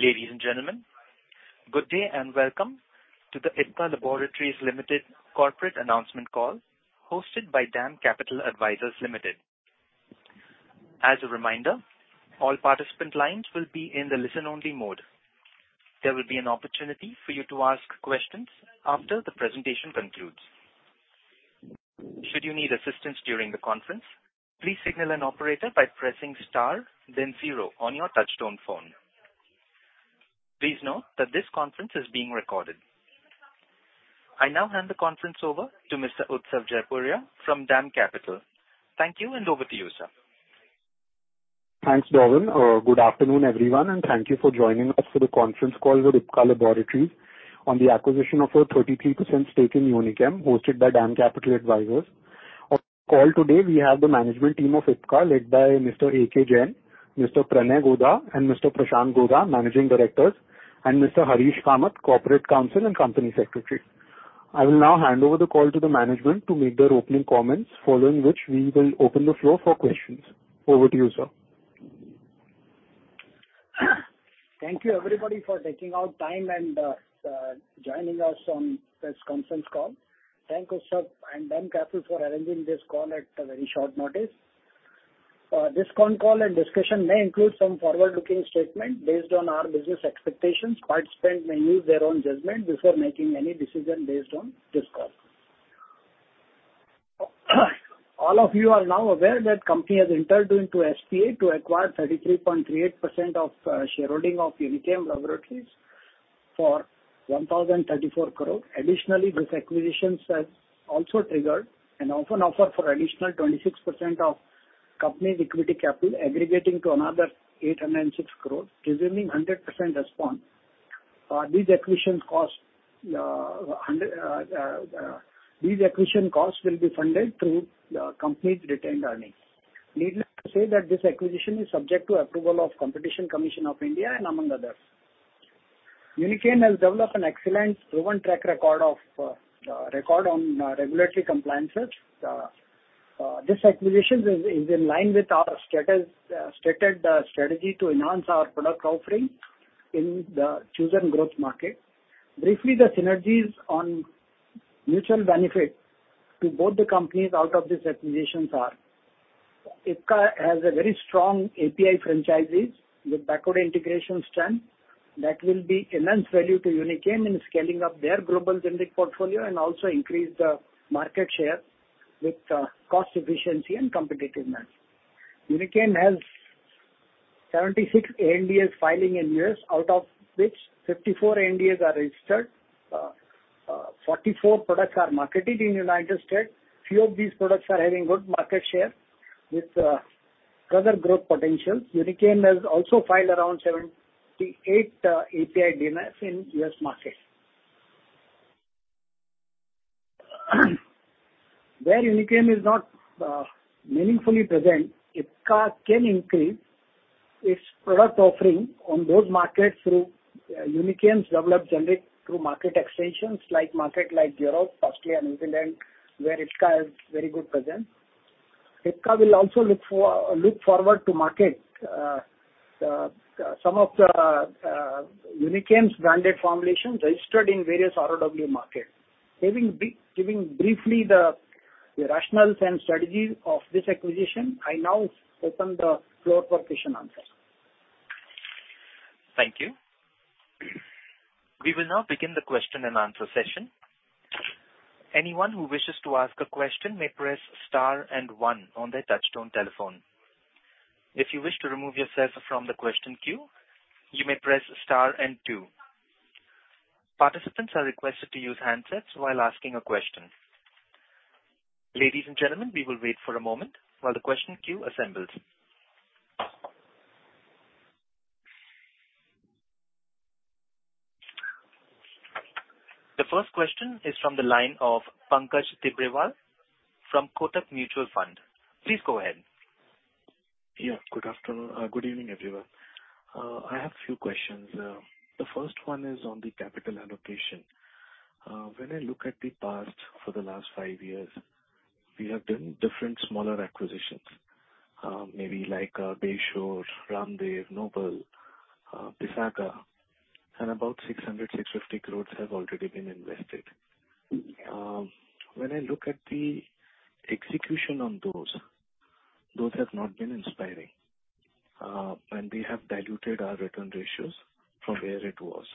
Ladies and gentlemen, good day and welcome to the Ipca Laboratories Limited Corporate Announcement Call hosted by DAM Capital Advisors Limited. As a reminder, all participant lines will be in the listen-only mode. There will be an opportunity for you to ask questions after the presentation concludes. Should you need assistance during the conference, please signal an operator by pressing star, then zero on your touchstone phone. Please note that this conference is being recorded. I now hand the conference over to Mr. Utsav Jaipuria from DAM Capital. Thank you, and over to Utsav. Thanks, Dolan. Good afternoon, everyone, and thank you for joining us for the conference call with Ipca Laboratories on the acquisition of a 33% stake in Unichem hosted by DAM Capital Advisors. On the call today, we have the management team of Ipca led by Mr. AK Jain, Mr. Pranay Godha, and Mr. Prashant Godha, Managing Directors, and Mr. Harish Kamath, Corporate Counsel and Company Secretary. I will now hand over the call to the management to make their opening comments, following which we will open the floor for questions. Over to you, sir. Thank you, everybody, for taking out time and joining us on this conference call. Thank Utsav and DAM Capital for arranging this call at a very short notice. This call and discussion may include some forward-looking statements based on our business expectations. Participants may use their own judgment before making any decision based on this call. All of you are now aware that the company has entered into SPA to acquire 33.38% of shareholding of Unichem Laboratories for 1,034 crore. Additionally, this acquisition has also triggered an offer for an additional 26% of the company's equity capital, aggregating to another 806 crore, presuming 100% response. These acquisition costs will be funded through the company's retained earnings. Needless to say that this acquisition is subject to approval of the Competition Commission of India and among others. Unichem has developed an excellent proven track record on regulatory compliances. This acquisition is in line with our stated strategy to enhance our product offering in the chosen growth market. Briefly, the synergies on mutual benefit to both the companies out of these acquisitions are: Ipca has a very strong API franchises with backward integration strength that will be immense value to Unichem in scaling up their global generics portfolio and also increase the market share with cost efficiency and competitiveness. Unichem has 76 ANDAs filing in the U.S. out of which 54 ANDAs are registered. 44 products are marketed in the United States. Few of these products are having good market share with further growth potential. Unichem has also filed around 78 API DMF in the U.S. market. Where Unichem is not meaningfully present, Ipca can increase its product offering on those markets through Unichem's developed generics through market extensions like markets like Europe, Austria, and New Zealand, where Ipca has very good presence. Ipca will also look forward to marketing some of the Unichem's branded formulations registered in various ROW markets. Giving briefly the rationales and strategies of this acquisition, I now open the floor for question and answer. Thank you. We will now begin the question and answer session. Anyone who wishes to ask a question may press star one on their touchstone telephone. If you wish to remove yourself from the question queue, you may press star two. Participants are requested to use handsets while asking a question. Ladies and gentlemen, we will wait for a moment while the question queue assembles. The first question is from the line of Pankaj Tibrewal from Kotak Mutual Fund. Please go ahead. Yeah. Good afternoon. Good evening, everyone. I have a few questions. The first one is on the capital allocation. When I look at the past for the last five years, we have done different smaller acquisitions, maybe like Bayshore, Ramdev, Noble, Pisgah, and about 600-650 crores have already been invested. When I look at the execution on those have not been inspiring, and they have diluted our return ratios from where it was.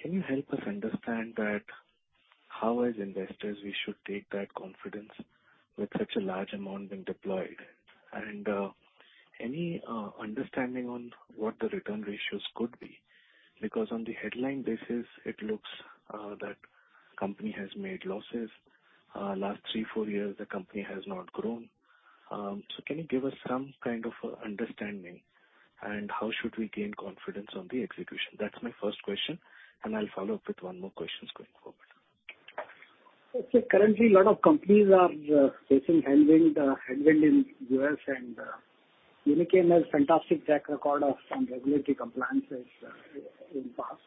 Can you help us understand how, as investors, we should take that confidence with such a large amount being deployed, and any understanding on what the return ratios could be? On the headline basis, it looks that the company has made losses. Last three to four years, the company has not grown. Can you give us some kind of understanding, and how should we gain confidence on the execution? That's my first question, and I'll follow up with one more question going forward. Currently, a lot of companies are facing headwinds in the U.S. Unichem has a fantastic track record on regulatory compliances in the past.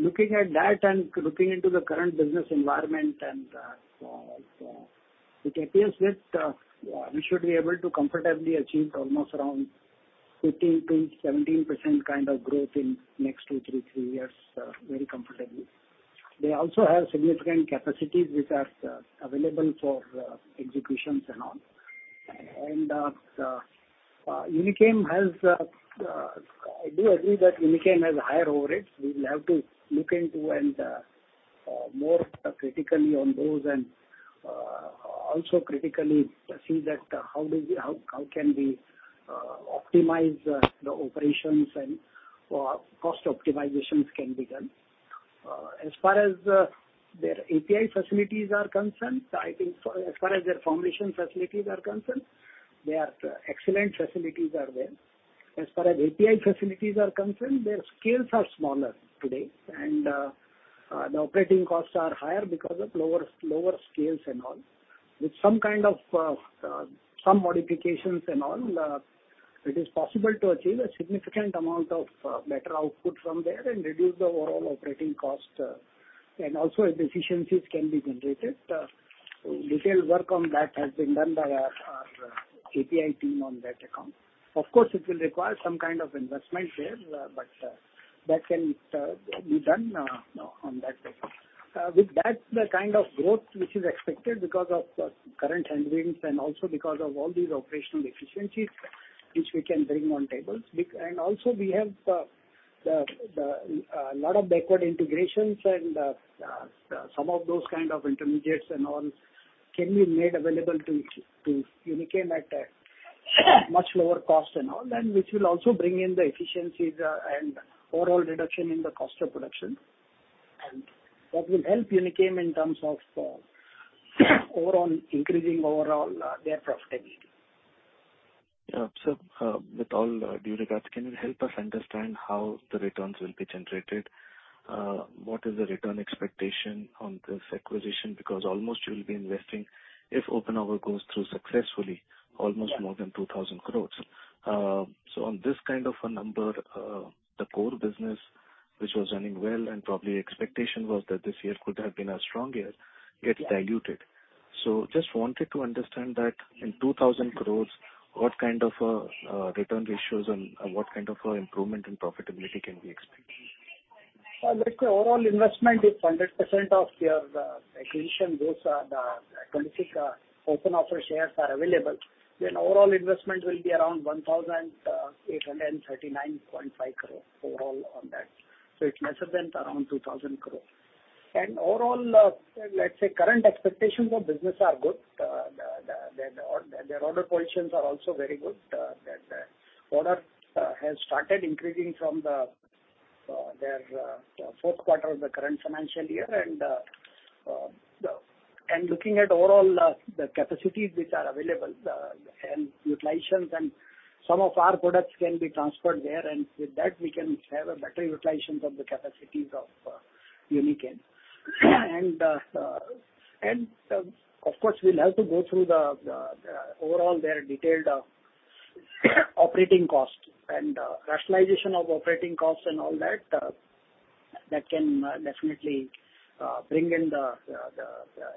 Looking at that and looking into the current business environment, it appears that we should be able to comfortably achieve almost around 15%-17% kind of growth in the next two, three years, very comfortably. They also have significant capacities which are available for executions and all. Unichem has, I do agree that Unichem has higher overheads. We will have to look into more critically on those and also critically see how can we optimize the operations, and cost optimizations can be done. As far as their API facilities are concerned, I think as far as their formulation facilities are concerned, their excellent facilities are there. As far as API facilities are concerned, their scales are smaller today, and the operating costs are higher because of lower scales and all. With some kind of modifications and all, it is possible to achieve a significant amount of better output from there and reduce the overall operating cost, and also efficiencies can be generated. Detailed work on that has been done by our API team on that account. Of course, it will require some kind of investment there, but that can be done on that basis. With that, the kind of growth which is expected because of current headwinds and also because of all these operational efficiencies which we can bring on tables, and also we have a lot of backward integrations, and some of those kind of intermediates and all can be made available to Unichem at a much lower cost and all, and which will also bring in the efficiencies and overall reduction in the cost of production. That will help Unichem in terms of increasing overall their profitability. Yeah. With all due regards, can you help us understand how the returns will be generated? What is the return expectation on this acquisition? Because almost you will be investing, if open over goes through successfully, almost more than 2,000 crores. On this kind of a number, the core business which was running well, and probably the expectation was that this year could have been a strong year, gets diluted. Just wanted to understand that in 2,000 crores, what kind of return ratios and what kind of improvement in profitability can we expect? Let's say overall investment is 100% of your acquisition goes on the acquisition open over shares are available, overall investment will be around 1,839.5 crores overall on that. It's lesser than around 2,000 crores. Overall, let's say current expectations of business are good. Their order positions are also very good. Their order has started increasing from their fourth quarter of the current financial year. Looking at overall the capacities which are available and utilizations, and some of our products can be transferred there, and with that, we can have better utilizations of the capacities of Unichem. Of course, we'll have to go through overall their detailed operating cost and rationalization of operating costs and all that. That can definitely bring in the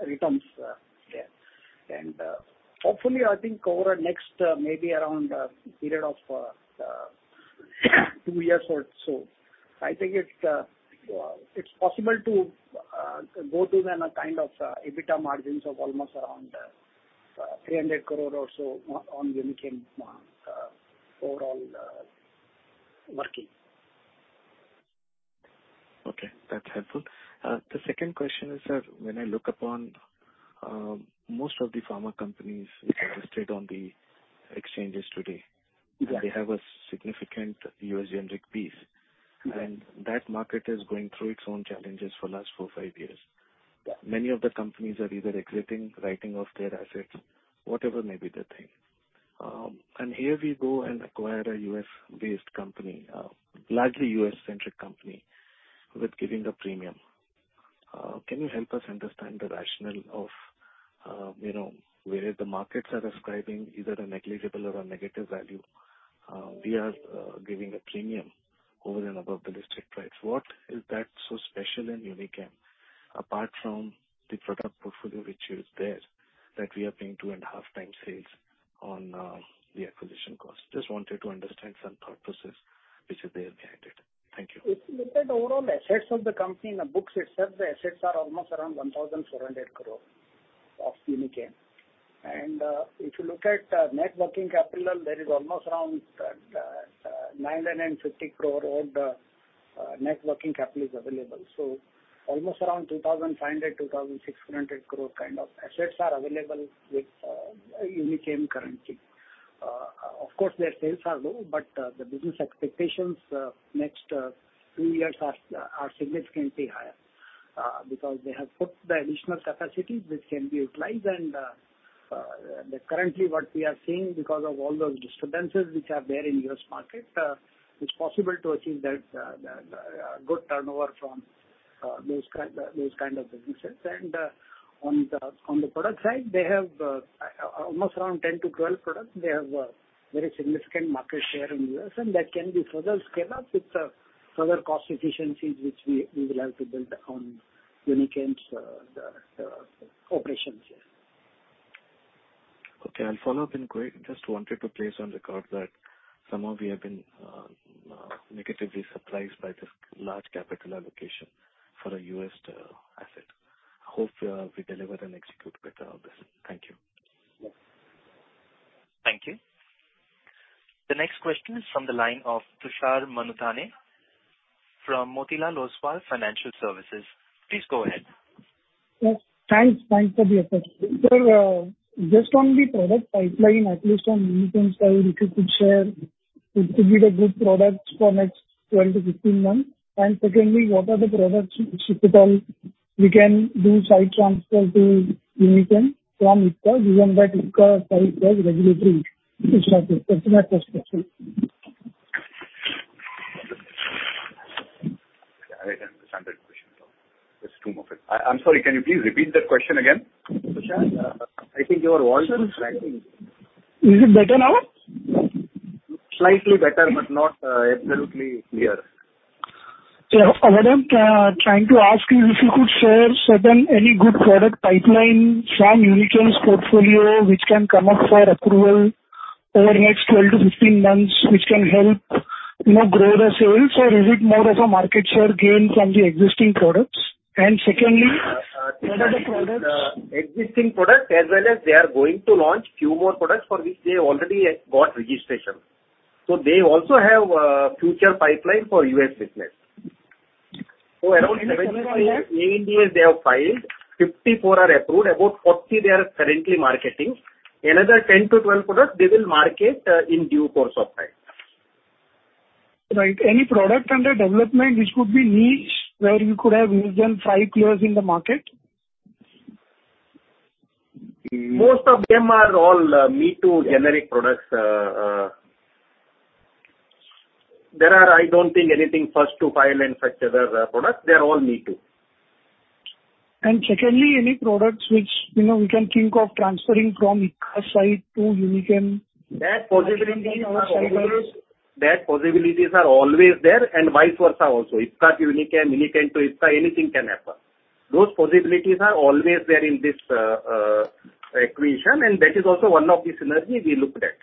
returns there. Hopefully, I think over the next maybe around a period of two years or so, I think it's possible to go to then a kind of EBITDA margins of almost around 300 crores or so on Unichem overall working. Okay. That's helpful. The second question is that when I look upon most of the pharma companies which are listed on the exchanges today, they have a significant U.S. generics piece, and that market is going through its own challenges for the last four, five years. Many of the companies are either exiting, writing off their assets, whatever may be the thing. Here we go and acquire a U.S.-based company, largely U.S.-centric company, with giving a premium. Can you help us understand the rationale of where the markets are ascribing either a negligible or a negative value? We are giving a premium over and above the listed price. What is that so special in Unichem, apart from the product portfolio which you've there, that we are paying 2.5 times sales on the acquisition cost? Just wanted to understand some thought process which is there behind it. Thank you. If you look at overall assets of the company in the books itself, the assets are almost around 1,400 crores of Unichem. If you look at net working capital, there is almost around 950 crores of net working capital available. Almost around 2,500-2,600 crores kind of assets are available with Unichem currently. Of course, their sales are low, but the business expectations next two years are significantly higher because they have put the additional capacities which can be utilized. Currently, what we are seeing because of all those discrepancies which are there in the U.S. market, it's possible to achieve that good turnover from those kind of businesses. On the product side, they have almost around 10-12 products. They have a very significant market share in the U.S., and that can be further scaled up with further cost efficiencies which we will have to build on Unichem's operations here. Okay. I'll follow up in quick. Just wanted to place on record that somehow we have been negatively surprised by this large capital allocation for a U.S. asset. I hope we deliver and execute better on this. Thank you. Yes. Thank you. The next question is from the line of Tushar Manudhane from Motilal Oswal Financial Services. Please go ahead. Thanks. Thanks for the effort. Sir, just on the product pipeline, at least on Unichem side, if you could share, it could be a good product for the next 12 to 15 months. Secondly, what are the products which, if at all, we can do site transfer to Unichem from Ipca given that Ipca site has regulatory issues? That's my first question. I understand the question. There's too much of it. I'm sorry. Can you please repeat that question again, Tushar? I think your voice is slightly. Is it better now? Slightly better, but not absolutely clear. Sir, what I'm trying to ask is if you could share any good product pipeline from Unichem's portfolio which can come up for approval over the next 12-15 months which can help grow the sales, or is it more of a market share gain from the existing products? Secondly, what are the products? Existing products, as well as they are going to launch a few more products for which they already got registration. They also have a future pipeline for U.S. business. Around 17, 18, 19, they have filed. 54 are approved. About 40, they are currently marketing. Another 10-12 products, they will market in due course of time. Right. Any product under development which could be niche where you could have within five years in the market? Most of them are all me-too generic products. I don't think anything first to file and such other products. They are all me-too. Secondly, any products which we can think of transferring from Ipca side to Unichem? That possibility is always there, and vice versa also. Ipca, Unichem to Ipca, anything can happen. Those possibilities are always there in this acquisition, and that is also one of the synergies we looked at.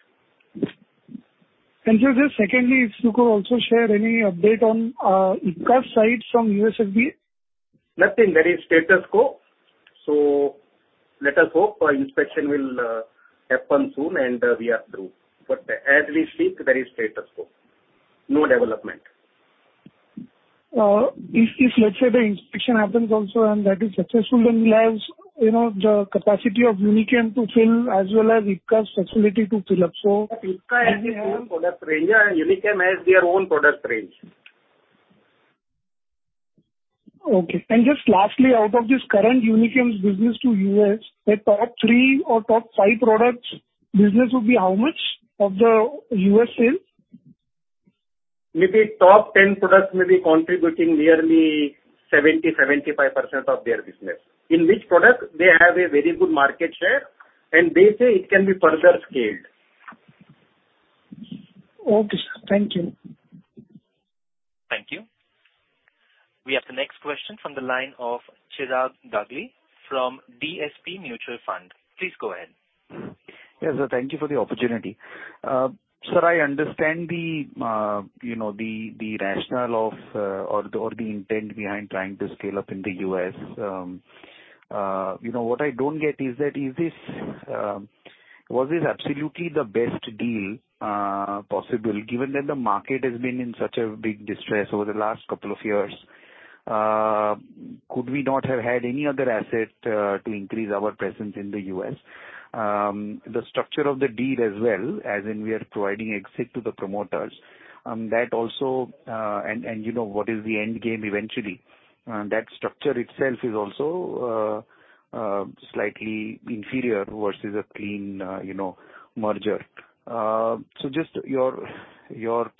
Sir, secondly, if you could also share any update on Ipca side from USFDA. Nothing. There is status quo. Let us hope inspection will happen soon, and we are through. As we speak, there is status quo. No development. If, let's say, the inspection happens also, and that is successful, then we'll have the capacity of Unichem to fill as well as Ipca's facility to fill up. Ipca has its own product range, and Unichem has their own product range. Okay. Just lastly, out of this current Unichem's business to U.S., the top three or top five products business would be how much of the U.S. sales? Maybe top 10 products may be contributing nearly 70%-75% of their business, in which product they have a very good market share, and they say it can be further scaled. Okay. Thank you. Thank you. We have the next question from the line of Chirag Dagli from DSP Mutual Fund. Please go ahead. Yes, sir. Thank you for the opportunity. Sir, I understand the rationale or the intent behind trying to scale up in the U.S. What I don't get is that was this absolutely the best deal possible given that the market has been in such a big distress over the last couple of years? Could we not have had any other asset to increase our presence in the U.S.? The structure of the deal as well, as in we are providing exit to the promoters, and what is the end game eventually? That structure itself is also slightly inferior versus a clean merger. Just your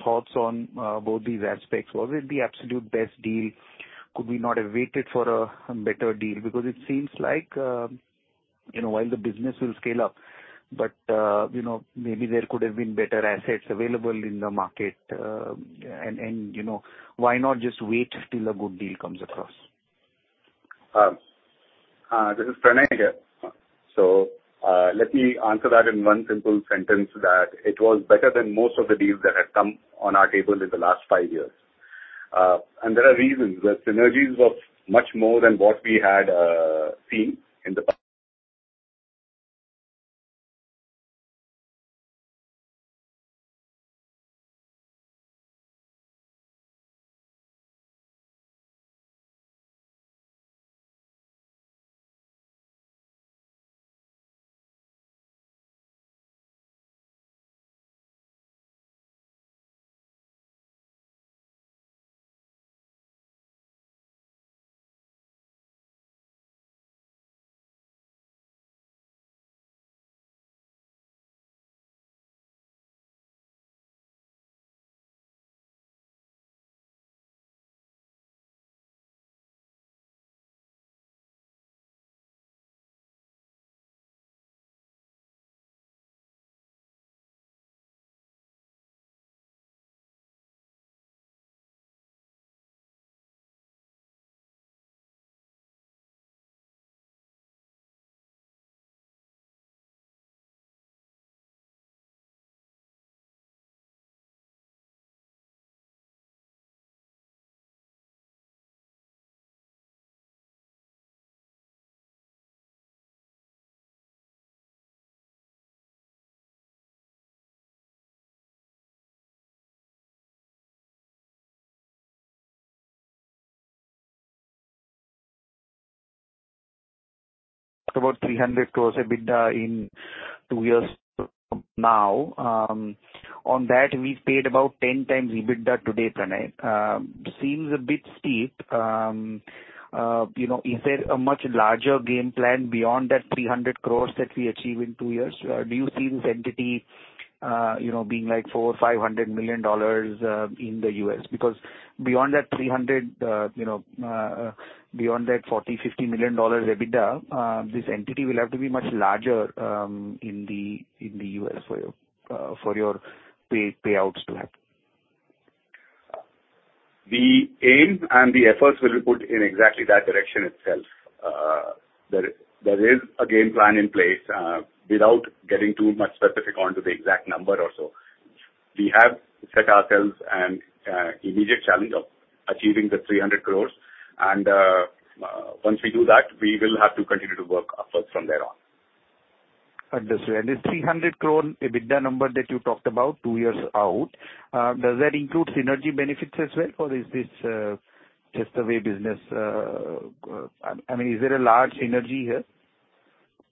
thoughts on both these aspects. Was it the absolute best deal? Could we not have waited for a better deal? It seems like while the business will scale up, but maybe there could have been better assets available in the market. Why not just wait till a good deal comes across? This is Pranay again. Let me answer that in one simple sentence that it was better than most of the deals that have come on our table in the last five years. There are reasons. The synergies were much more than what we had seen in the past. About 300 crores EBITDA in two years from now. On that, we've paid about 10x EBITDA today, Pranay. Seems a bit steep. Is there a much larger game plan beyond that 300 crores that we achieve in two years? Do you see this entity being like $400 million-$500 million in the U.S.? Beyond that 300 crores, beyond that $40 million-$50 million EBITDA, this entity will have to be much larger in the U.S. for your payouts to happen. The aims and the efforts will be put in exactly that direction itself. There is a game plan in place without getting too much specific onto the exact number or so. We have set ourselves an immediate challenge of achieving the 300 crores. Once we do that, we will have to continue to work upwards from there on. Understood. This 300 crore EBITDA number that you talked about two years out, does that include synergy benefits as well, or is this just a way business I mean, is there a large synergy here?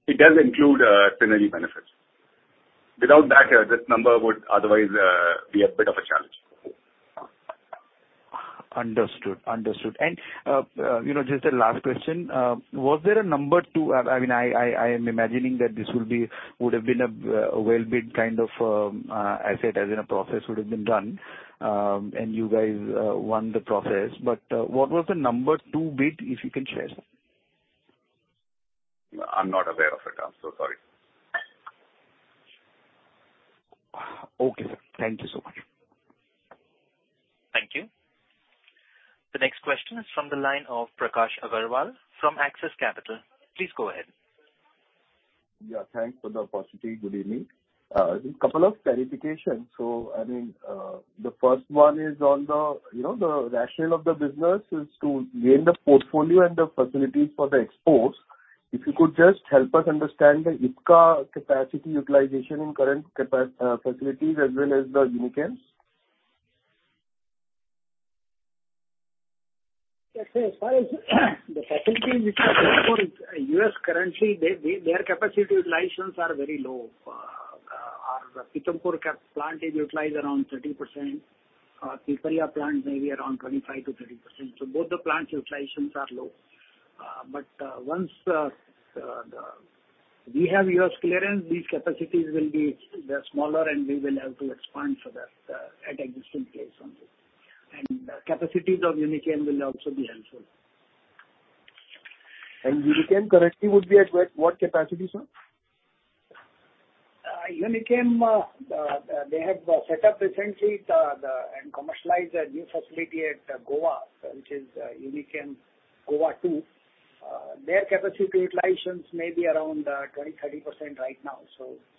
It does include synergy benefits. Without that, this number would otherwise be a bit of a challenge. Understood. Understood. Just a last question. Was there a number two? I mean, I am imagining that this would have been a well-built kind of asset as in a process would have been done, and you guys won the process. What was the number two bid, if you can share, sir? I'm not aware of it. I'm so sorry. Okay, sir. Thank you so much. Thank you. The next question is from the line of Prakash Agarwal from Axis Capital. Please go ahead. Yeah. Thanks for the opportunity. Good evening. A couple of clarifications. I mean, the first one is on the rationale of the business is to gain the portfolio and the facilities for the exports. If you could just help us understand the Ipca capacity utilization in current facilities as well as the Unichem. Yes, sir. As far as the facilities which are exported, U.S. currently, their capacity utilizations are very low. Our Pithampur plant is utilized around 30%. Piparia plant may be around 25%-30%. Both the plant utilizations are low. Once we have U.S. clearance, these capacities will be smaller, and we will have to expand further at existing place on this. The capacities of Unichem will also be helpful. Unichem currently would be at what capacity, sir? Unichem, they have set up recently and commercialized a new facility at Goa, which is Unichem Goa 2. Their capacity utilizations may be around 20%-30% right now.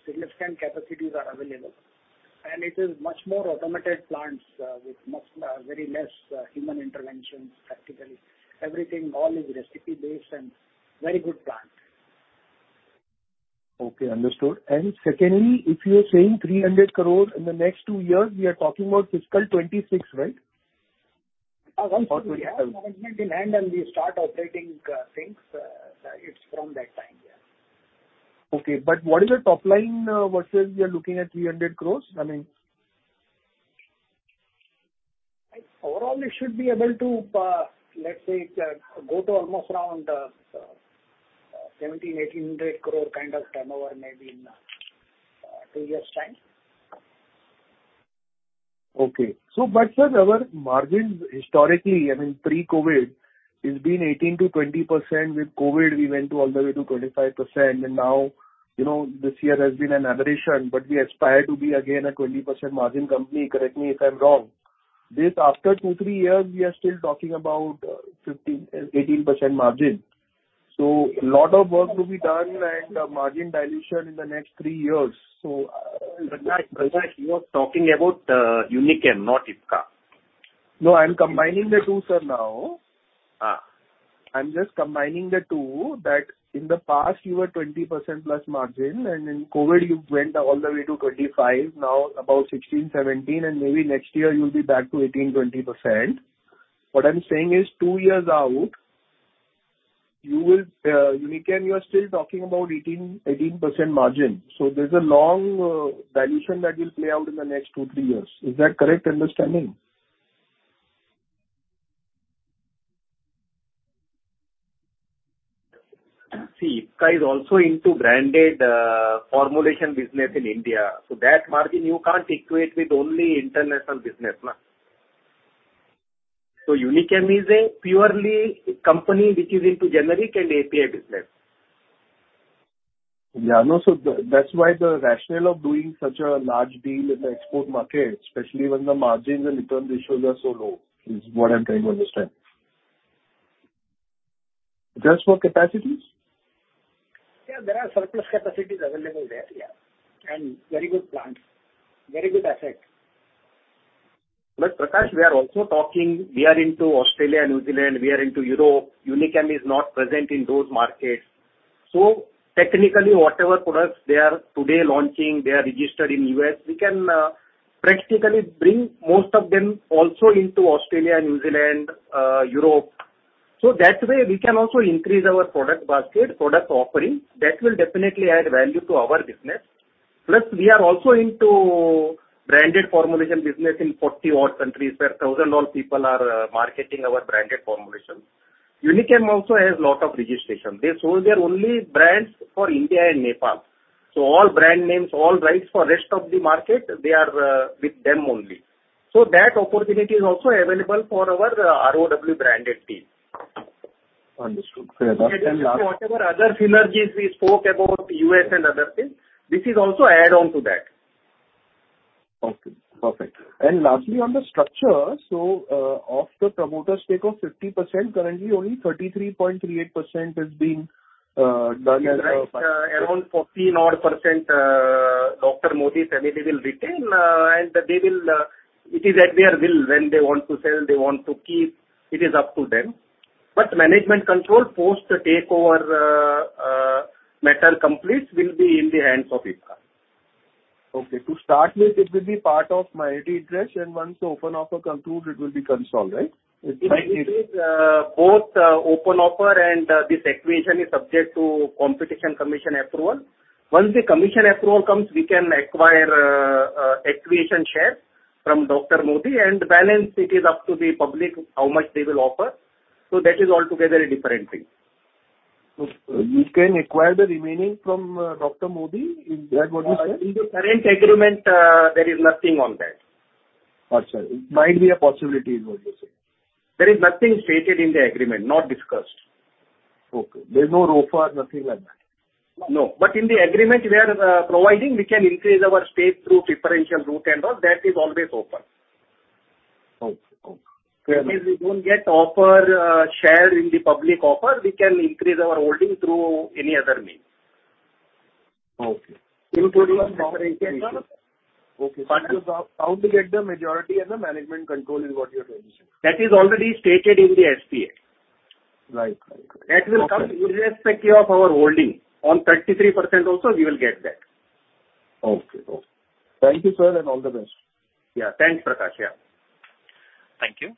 Significant capacities are available. It is much more automated plants with very less human interventions, practically. Everything, all is recipe-based and very good plant. Okay. Understood. Secondly, if you're saying 300 crore in the next two years, we are talking about fiscal 2026, right? I'm sorry. We have management in hand, and we start operating things. It's from that time, yeah. Okay. What is the top line versus you're looking at 300 crores? I mean. Overall, it should be able to, let's say, go to almost around 1,700 crore-1,800 crore kind of turnover maybe in two years' time? Okay. Sir, our margin historically, I mean, pre-COVID, it's been 18%-20%. With COVID, we went all the way to 25%. Now, this year has been an aberration, but we aspire to be again a 20% margin company. Correct me if I'm wrong. After two, three years, we are still talking about 18% margin. A lot of work will be done and margin dilution in the next three years. Prakash, you are talking about Unichem, not Ipca. No, I'm combining the two, sir, now. I'm just combining the two that in the past, you were 20%-plus margin, and in COVID, you went all the way to 25%. Now, about 16%, 17%, and maybe next year, you'll be back to 18%-20%. What I'm saying is two years out, Unichem, you are still talking about 18% margin. There's a long dilution that will play out in the next two, three years. Is that correct understanding? See, Ipca is also into branded formulation business in India. That margin, you can't equate with only international business, na? Unichem is a purely company which is into generic and API business. Yeah. That's why the rationale of doing such a large deal in the export market, especially when the margins and return ratios are so low, is what I'm trying to understand. Just for capacities? Yeah, there are surplus capacities available there, yeah, and very good plants, very good assets. Prakash, we are also talking we are into Australia and New Zealand. We are into Europe. Unichem is not present in those markets. Technically, whatever products they are today launching, they are registered in U.S. We can practically bring most of them also into Australia and New Zealand, Europe. That way, we can also increase our product basket, product offering. That will definitely add value to our business. Plus, we are also into branded formulation business in 40-odd countries where 1,000-odd people are marketing our branded formulations. Unichem also has a lot of registration. They sold their only brands for India and Nepal. All brand names, all rights for the rest of the market, they are with them only. That opportunity is also available for our ROW branded team. Understood. Lastly. Whatever other synergies we spoke about, U.S. and other things, this is also add-on to that. Okay. Perfect. Lastly, on the structure, of the promoters take off 50%, currently, only 33.38% is being done as a. Around 14-odd %, Dr. Mody family will retain, and it is at their will. When they want to sell, they want to keep. It is up to them. Management control post takeover matter completes will be in the hands of Ipca. Okay. To start with, it will be part of my ID address, and once the open offer concludes, it will be canceled, right? Both open offer and this acquisition is subject to Competition Commission approval. Once the Commission approval comes, we can acquire acquisition shares from Dr. Mody, and balance, it is up to the public how much they will offer. That is altogether a different thing. You can acquire the remaining from Dr. Mody? Is that what you said? In the current agreement, there is nothing on that. Oh, sir. It might be a possibility, is what you're saying? There is nothing stated in the agreement, not discussed. Okay. There's no ROFO, nothing like that? No. In the agreement we are providing, we can increase our stake through differential route and all. That is always open. Okay. Okay. If we don't get offer shared in the public offer, we can increase our holding through any other means, including differentiation. Okay. you're bound to get the majority, and the management control is what you're trying to say? That is already stated in the SPA. Right. Right. Right. That will come irrespective of our holding. On 33% also, we will get that. Okay. Thank you, sir, and all the best. Yeah. Thanks, Prakash. Yeah. Thank you.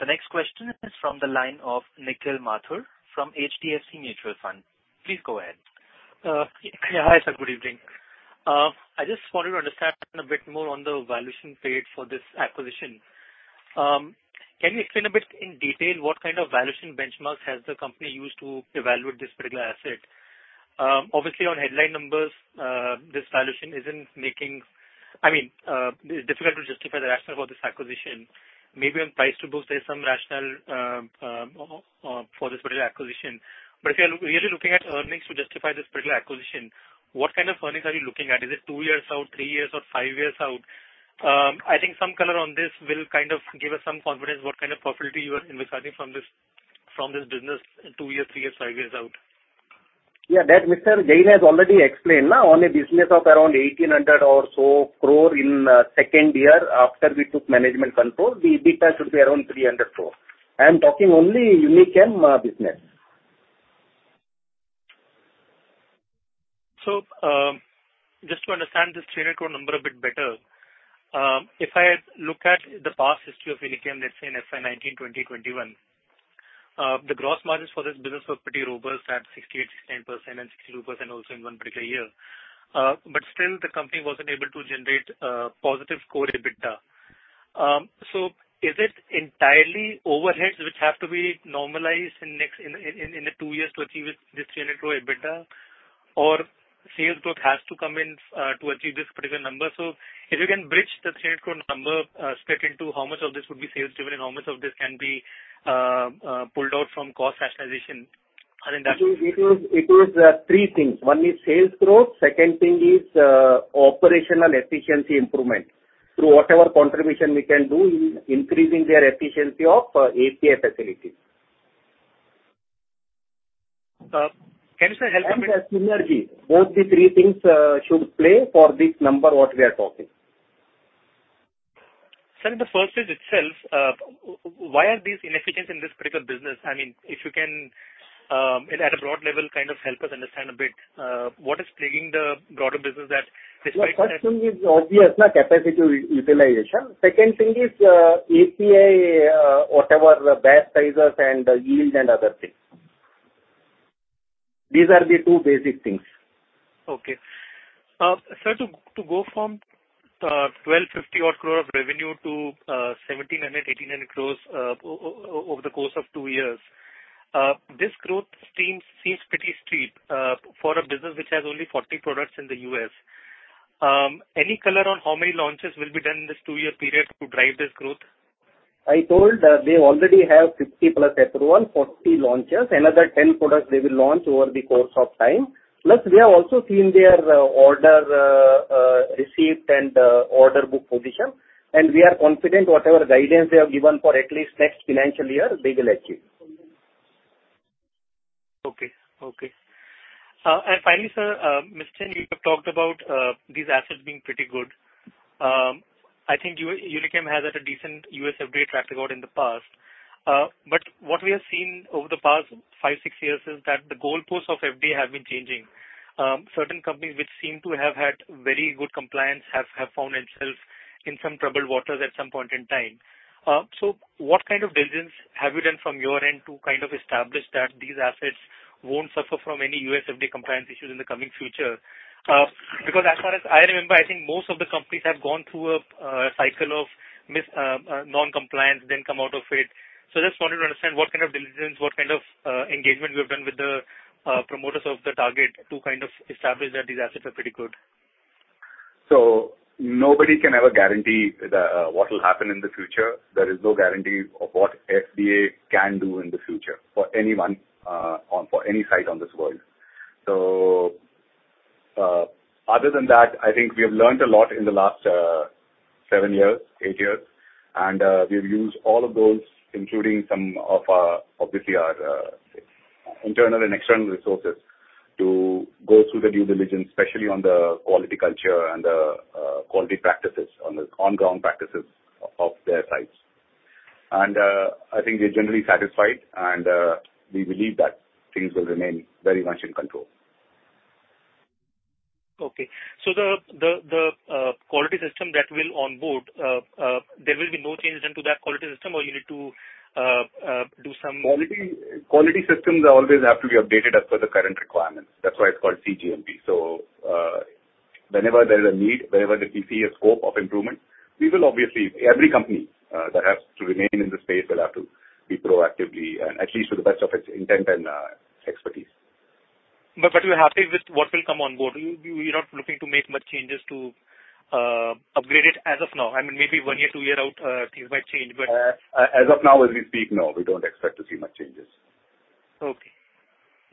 The next question is from the line of Nikhil Mathur from HDFC Mutual Fund. Please go ahead. Hi, sir. Good evening. I just wanted to understand a bit more on the valuation paid for this acquisition. Can you explain a bit in detail what kind of valuation benchmarks has the company used to evaluate this particular asset? Obviously, on headline numbers, this valuation I mean, it's difficult to justify the rationale for this acquisition. Maybe on price to books, there's some rationale for this particular acquisition. If you're really looking at earnings to justify this particular acquisition, what kind of earnings are you looking at? Is it two years out, three years out, five years out? I think some color on this will kind of give us some confidence what kind of profitability you are in regarding from this business two years, three years, five years out. Yeah. That Mr. Jain has already explained, na, on a business of around 1,800 or so crore in second year after we took management control, the EBITDA should be around 300 crore. I'm talking only Unichem business. Just to understand this 300 crore number a bit better, if I look at the past history of Unichem, let's say in FY 2019, 2020, 2021, the gross margins for this business were pretty robust at 68%, 69%, and 62% also in one particular year. Still, the company wasn't able to generate positive core EBITDA. Is it entirely overheads which have to be normalized in the two years to achieve this 300 crore EBITDA, or sales growth has to come in to achieve this particular number? If you can bridge the INR 300 crore number split into how much of this would be sales-driven and how much of this can be pulled out from cost rationalization, I think that's. It is three things. One is sales growth. Second thing is operational efficiency improvement through whatever contribution we can do in increasing their efficiency of API facilities. Can you, sir, help me? Synergy, both the three things should play for this number what we are talking. Sir, in the first phase itself, why are these inefficients in this particular business? I mean, if you can, at a broad level, kind of help us understand a bit, what is plaguing the broader business that despite the. The first thing is obvious, na, capacity utilization. Second thing is API, whatever batch sizes and yield and other things. These are the two basic things. Okay. Sir, to go from 1,250-odd crore of revenue to 1,700-1,800 crores over the course of two years, this growth stream seems pretty steep for a business which has only 40 products in the U.S. Any color on how many launches will be done in this two-year period to drive this growth? I told they already have 50-plus approval, 40 launches, another 10 products they will launch over the course of time. We have also seen their order received and order book position. We are confident whatever guidance they have given for at least next financial year, they will achieve. Okay. Okay. Finally, sir, Mr. Jain, you have talked about these assets being pretty good. I think Unichem has had a decent US FDA track record in the past. What we have seen over the past five, six years is that the goalposts of FDA have been changing. Certain companies which seem to have had very good compliance have found themselves in some troubled waters at some point in time. What kind of diligence have you done from your end to kind of establish that these assets won't suffer from any U.S. FDA compliance issues in the coming future? As far as I remember, I think most of the companies have gone through a cycle of non-compliance, then come out of it. I just wanted to understand what kind of diligence, what kind of engagement we have done with the promoters of the target to kind of establish that these assets are pretty good? Nobody can ever guarantee what will happen in the future. There is no guarantee of what FDA can do in the future for anyone or for any site on this world. Other than that, I think we have learned a lot in the last seven years, eight years. We have used all of those, including some of, obviously, our internal and external resources, to go through the due diligence, especially on the quality culture and the quality practices, on the on-ground practices of their sites. I think we're generally satisfied, and we believe that things will remain very much in control. Okay. The quality system that will onboard, there will be no change done to that quality system, or you need to do some? Quality systems always have to be updated as per the current requirements. That's why it's called CGMP. Whenever there is a need, whenever they see a scope of improvement, every company that has to remain in the space will have to be proactively and at least to the best of its intent and expertise. Are you happy with what will come onboard? You're not looking to make much changes to upgrade it as of now? I mean, maybe one year, two years out, things might change, but. As of now, as we speak, no. We don't expect to see much changes. Okay.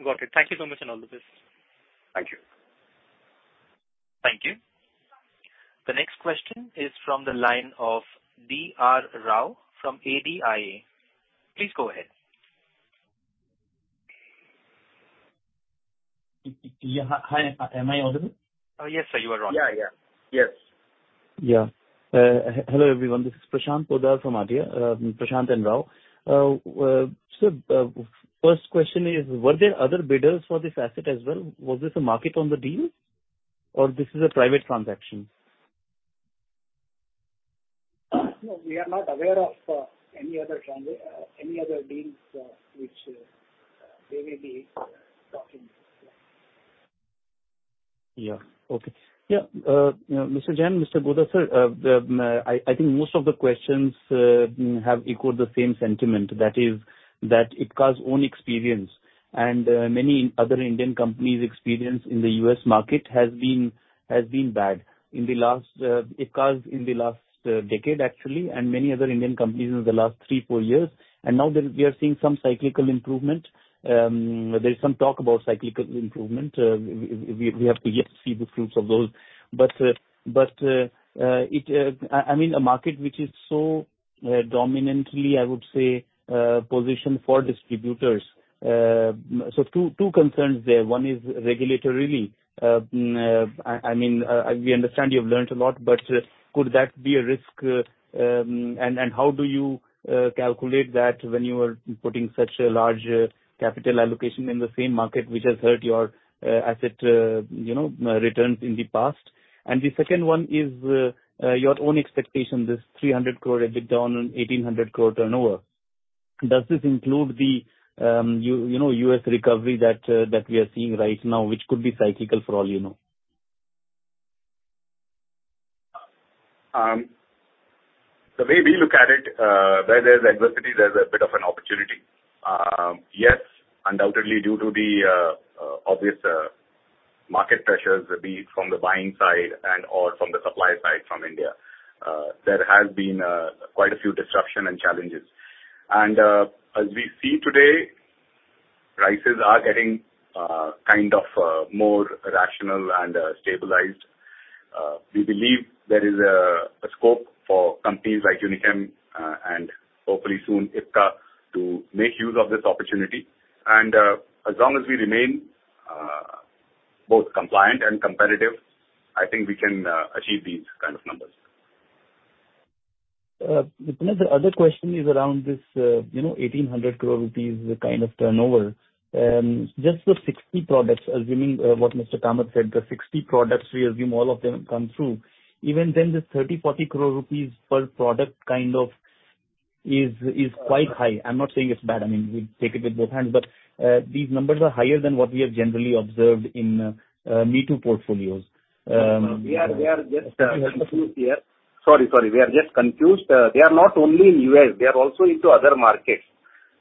Got it. Thank you so much and all the best. Thank you. Thank you. The next question is from the line of Dr. Rao from ADIA. Please go ahead. Yeah. Hi. Am I audible? Yes, sir. You are on. Yeah. Yeah. Yes. Yeah. Hello, everyone. This is Prashant Poddar from ADIA, Prashant and Rao. Sir, first question is, were there other bidders for this asset as well? Was this a market-on-the-deal, or this is a private transaction? No, we are not aware of any other deals which they may be talking about. Yeah. Okay. Yeah. Mr. Jain, Mr. Poddar, sir, I think most of the questions have echoed the same sentiment, that is, that Ipca's own experience and many other Indian companies' experience in the U.S. market has been bad. Ipca's in the last decade, actually, and many other Indian companies in the last three, four years. Now, we are seeing some cyclical improvement. There's some talk about cyclical improvement. We have to yet see the fruits of those. I mean, a market which is so dominantly, I would say, positioned for distributors so two concerns there. One is regulatorily. I mean, we understand you have learned a lot, but could that be a risk? How do you calculate that when you are putting such a large capital allocation in the same market which has hurt your asset returns in the past? The second one is your own expectation, this 300 crore EBITDA on an 1,800 crore turnover. Does this include the US recovery that we are seeing right now which could be cyclical for all you know? Maybe look at it. Where there's adversity, there's a bit of an opportunity. Yes, undoubtedly, due to the obvious market pressures, be it from the buying side and/or from the supply side from India, there has been quite a few disruption and challenges. As we see today, prices are getting kind of more rational and stabilized. We believe there is a scope for companies like Unichem and hopefully soon Ipca to make use of this opportunity. As long as we remain both compliant and competitive, I think we can achieve these kind of numbers. Mr. Jain, the other question is around this 1,800 crore rupees kind of turnover. Just the 60 products, assuming what Mr. Kamath said, the 60 products, we assume all of them come through, even then, the 30 crore-40 crore rupees per product kind of is quite high. I'm not saying it's bad. I mean, we take it with both hands. These numbers are higher than what we have generally observed in me-too portfolios. We are just confused here. Sorry. We are just confused. They are not only in U.S. They are also into other markets.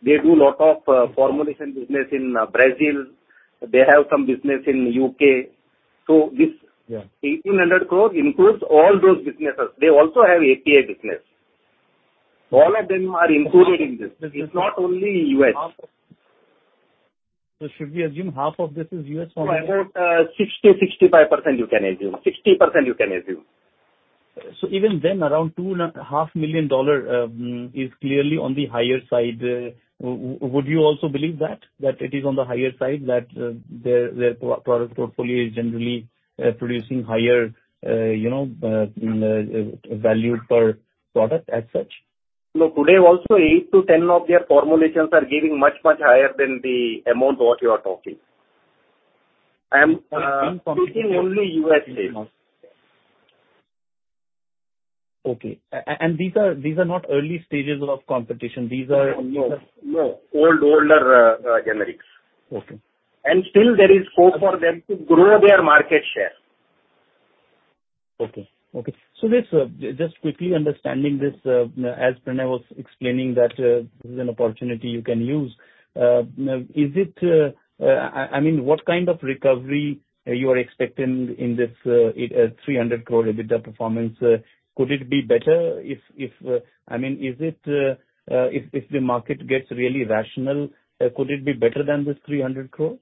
They do a lot of formulation business in Brazil. They have some business in the U.K. This 1,800 crore includes all those businesses. They also have API business. All of them are included in this. It's not only U.S. Should we assume half of this is U.S. formulation? No, about 60%-65% you can assume. 60% you can assume. Even then, around half a million dollars is clearly on the higher side. Would you also believe that it is on the higher side, that their product portfolio is generally producing higher value per product as such? No, today, also, 8-10 of their formulations are giving much, much higher than the amount what you are talking. I am speaking only U.S.-based. Okay. These are not early stages of competition. These are. No, no. No, old, older generics. Still, there is scope for them to grow their market share. Okay. Okay. Just quickly understanding this, as Pranay was explaining, that this is an opportunity you can use. Is it what kind of recovery are you expecting in this 300 crore EBITDA performance? Could it be better if is it if the market gets really rational, could it be better than this 300 crore?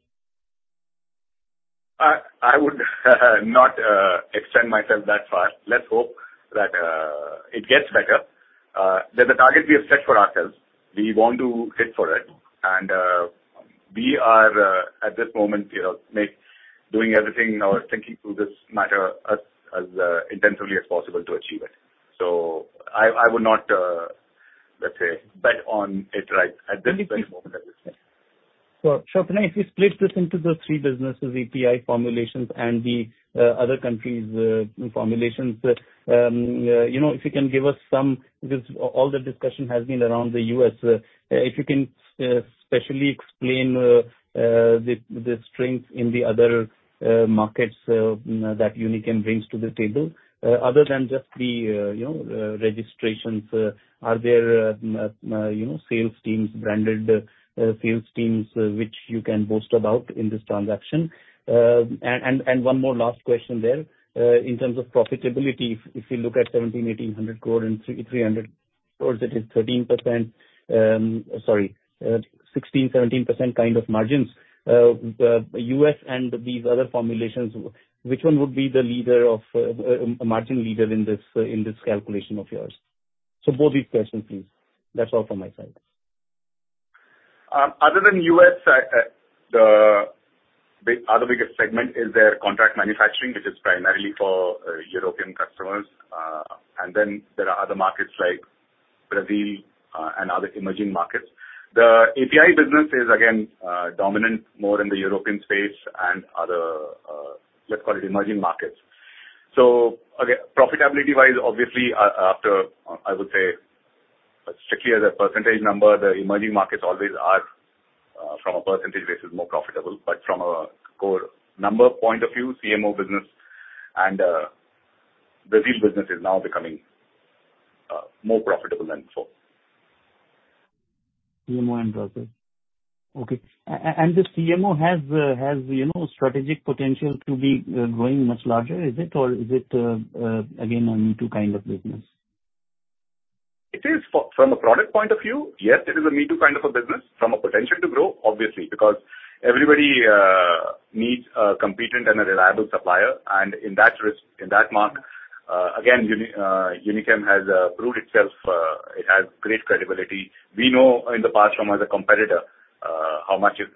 I would not extend myself that far. Let's hope that it gets better. There's a target we have set for ourselves. We want to hit for it. We are, at this moment, doing everything or thinking through this matter as intensively as possible to achieve it. I would not, let's say, bet on it right at this moment, at this point. Sir, Pranay Godha, if you split this into the three businesses, API formulations and the other countries' formulations, if you can give us some because all the discussion has been around the U.S. If you can specially explain the strengths in the other markets that Unichem brings to the table other than just the registrations, are there sales teams, branded sales teams which you can boast about in this transaction? One more last question there. In terms of profitability, if you look at 1,700 crore, 1,800 crore and 300 crore, it is 13%, 16%, 17% kind of margins. U.S. and these other formulations, which one would be the margin leader in this calculation of yours? Both these questions, please. That's all from my side. Other than U.S., the other biggest segment is their contract manufacturing, which is primarily for European customers. Then there are other markets like Brazil and other emerging markets. The API business is, again, dominant more in the European space and other, let's call it, emerging markets. Again, profitability-wise, obviously, I would say strictly as a percentage number, the emerging markets always are, from a percentage basis, more profitable. From a core number point of view, CMO business and Brazil business is now becoming more profitable than before. CMO and Brazil. Okay. The CMO has strategic potential to be growing much larger, is it? Or is it, again, a me-too kind of business? It is. From a product point of view, yes, it is a me-too kind of a business from a potential to grow, obviously, because everybody needs a competent and a reliable supplier. In that mark, again, Unichem has proved itself. It has great credibility. We know in the past from as a competitor how much it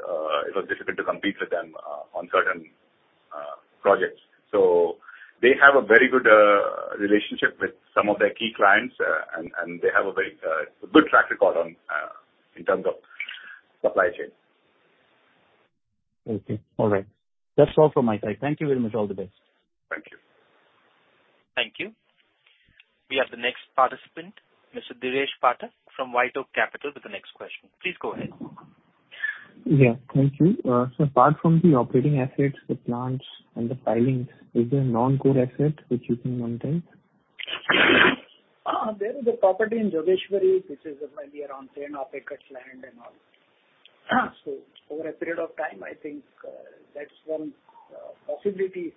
was difficult to compete with them on certain projects. They have a very good relationship with some of their key clients, and they have a good track record in terms of supply chain. Okay. All right. That's all from my side. Thank you very much. All the best. Thank you. Thank you. We have the next participant, Mr. Dheeresh Pathak from WhiteOak Capital, with the next question. Please go ahead. Yeah. Thank you. Sir, apart from the operating assets, the plants, and the filings, is there a non-core asset which you can monetize? There is a property in Jogeshwari which is mainly around 10-odd acres land and all. Over a period of time, I think that's one possibility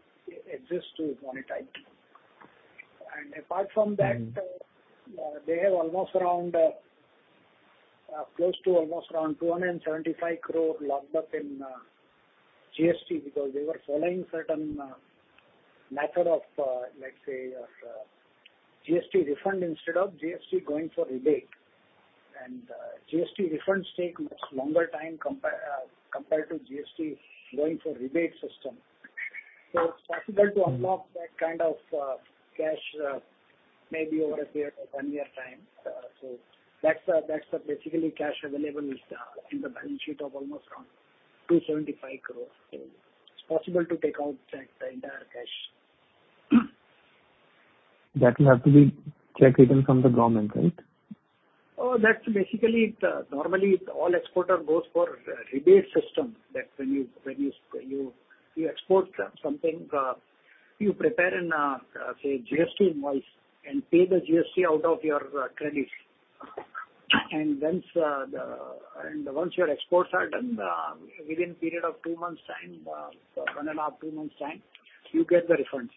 exists to monetize. Apart from that, they have almost around close to 275 crore locked up in GST because they were following certain method of, let's say, GST refund instead of GST going for rebate. GST refunds take much longer time compared to GST going for rebate system. It's possible to unlock that kind of cash maybe over a period of one year time. That's basically cash available in the balance sheet of almost around 275 crore. It's possible to take out the entire cash. That will have to be check written from the government, right? That's basically normally, all exporter goes for rebate system. That when you export something, you prepare an, say, GST invoice and pay the GST out of your credits. Once your exports are done, within a period of two months' time, one and a half, two months' time, you get the refunds.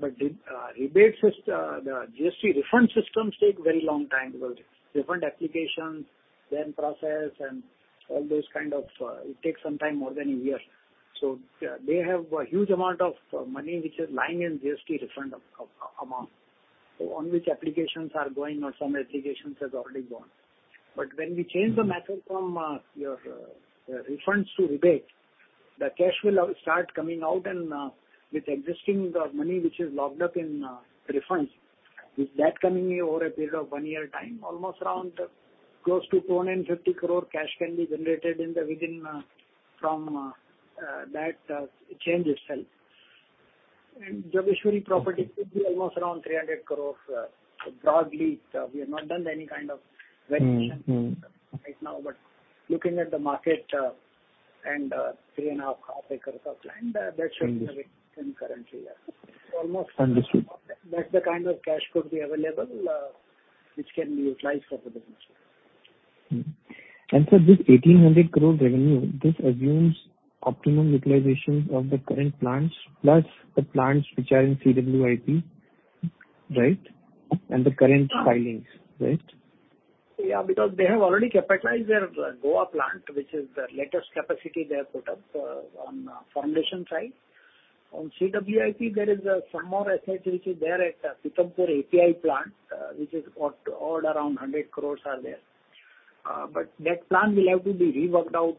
The GST refund systems take very long time because refund applications, then process, and all those kind of it takes some time more than one year. They have a huge amount of money which is lying in GST refund amount on which applications are going or some applications have already gone. When we change the method from your refunds to rebate, the cash will start coming out with existing money which is locked up in refunds. Is that coming over a period of one year time? Almost around close to 250 crore cash can be generated from that change itself. Jogeshwari property could be almost around 300 crore. Broadly, we have not done any kind of variation right now. Looking at the market and three and a half acres of land, that should be the variation currently, yes. Almost. Understood. That's the kind of cash could be available which can be utilized for the business. Sir, this 1,800 crore revenue, this assumes optimum utilization of the current plants plus the plants which are in CWIP, right, and the current filings, right? Because they have already capitalized their Goa plant which is the latest capacity they have put up on formulation side. On CWIP, there is some more assets which is there at Pithampur API plant which is all around 100 crores are there. That plant will have to be reworked out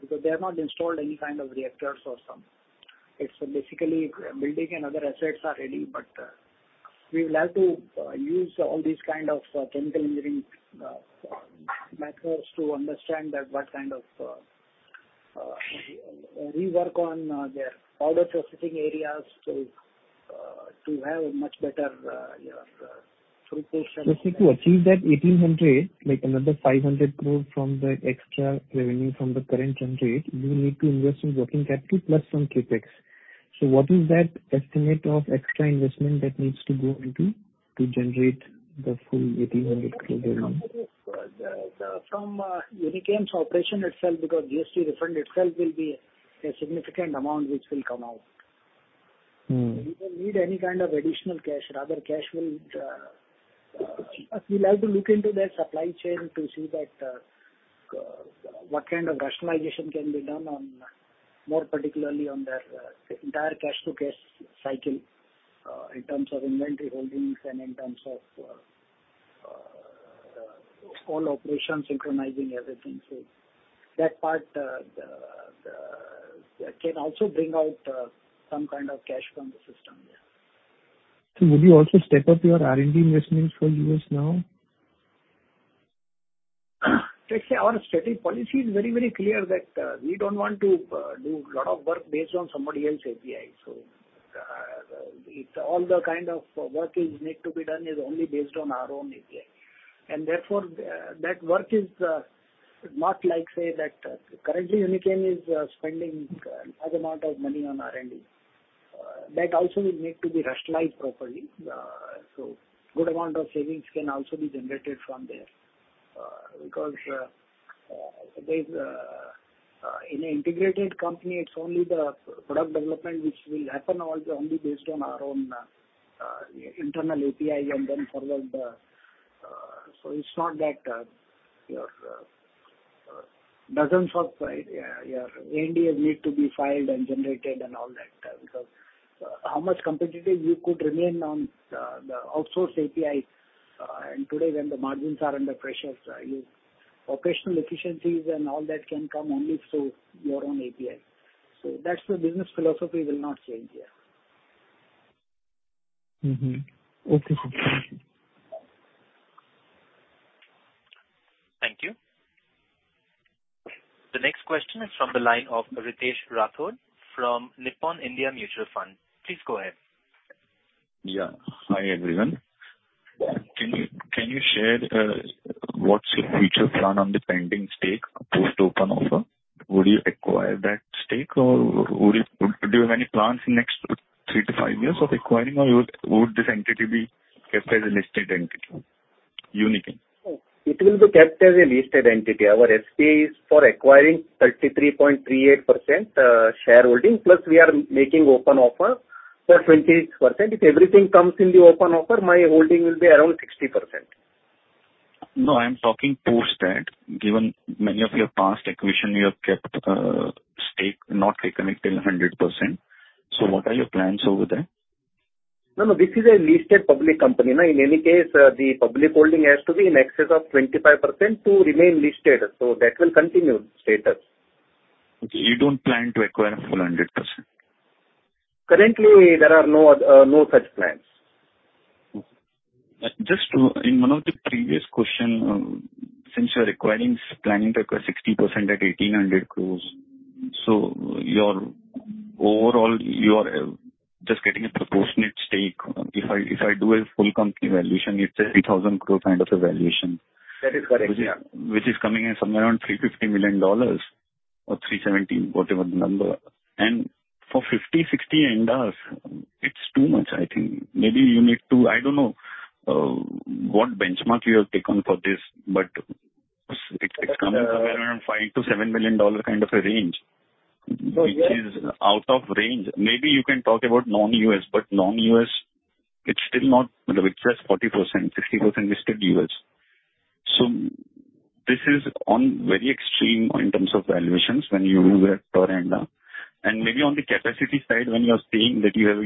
because they have not installed any kind of reactors or some. It's basically building and other assets are ready. We will have to use all these kind of chemical engineering methods to understand what kind of rework on their powder processing areas to have a much better throughput. Just to achieve that 1,800, another 500 crore from the extra revenue from the current generate, you need to invest in working capital plus some CapEx. What is that estimate of extra investment that needs to go into to generate the full 1,800 crore revenue? From Unichem's operation itself because GST refund itself will be a significant amount which will come out. We don't need any kind of additional cash. Rather, we'll have to look into their supply chain to see what kind of rationalization can be done more particularly on their entire cash-to-cash cycle in terms of inventory holdings and in terms of all operations synchronizing everything. That part can also bring out some kind of cash from the system, yes. Would you also step up your R&D investments for U.S. now? Let's say our strategy policy is very, very clear that we don't want to do a lot of work based on somebody else's API. All the kind of work that needs to be done is only based on our own API. Therefore, that work is not like, say, that currently, Unichem is spending a large amount of money on R&D. That also will need to be rationalized properly. A good amount of savings can also be generated from there because in an integrated company, it's only the product development which will happen only based on our own internal API and then forward. It's not that dozens of your R&Ds need to be filed and generated and all that because how much competitive you could remain on the outsourced API. Today, when the margins are under pressure, operational efficiencies and all that can come only through your own API. That's the business philosophy will not change, yes. Okay. Thank you. Thank you. The next question is from the line of Ritesh Rathod from Nippon India Mutual Fund. Please go ahead. Yeah. Hi, everyone. Can you share what's your future plan on the pending stake post-open offer? Would you acquire that stake, or would you have any plans in the next three to five years of acquiring, or would this entity be kept as a listed entity, Unichem? Oh, it will be kept as a listed entity. Our SPA is for acquiring 33.38% shareholding, plus we are making open offer for 20%. If everything comes in the open offer, my holding will be around 60%. I am talking post-that. Given many of your past acquisition, you have kept stake not reconnected 100%. What are your plans over there? No, no. This is a listed public company. In any case, the public holding has to be in excess of 25% to remain listed. That will continue status. Okay. You don't plan to acquire full 100%? Currently, there are no such plans. Just in one of the previous questions, since you are planning to acquire 60% at 1,800 crores, so overall, you are just getting a proportionate stake. If I do a full company valuation, it's a 3,000 crore kind of a valuation. That is correct, yeah. Which is coming in somewhere around $350 million or $370 million, whatever the number. For 50-60 NDAs, it's too much, I think. Maybe you need to I don't know what benchmark you have taken for this, but it's coming somewhere around $5 million-$7 million kind of a range, which is out of range. Maybe you can talk about non-U.S., but non-U.S., it's still not it's just 40%-50% listed U.S. This is very extreme in terms of valuations when you do that per NDA. Maybe on the capacity side, when you are saying that you have a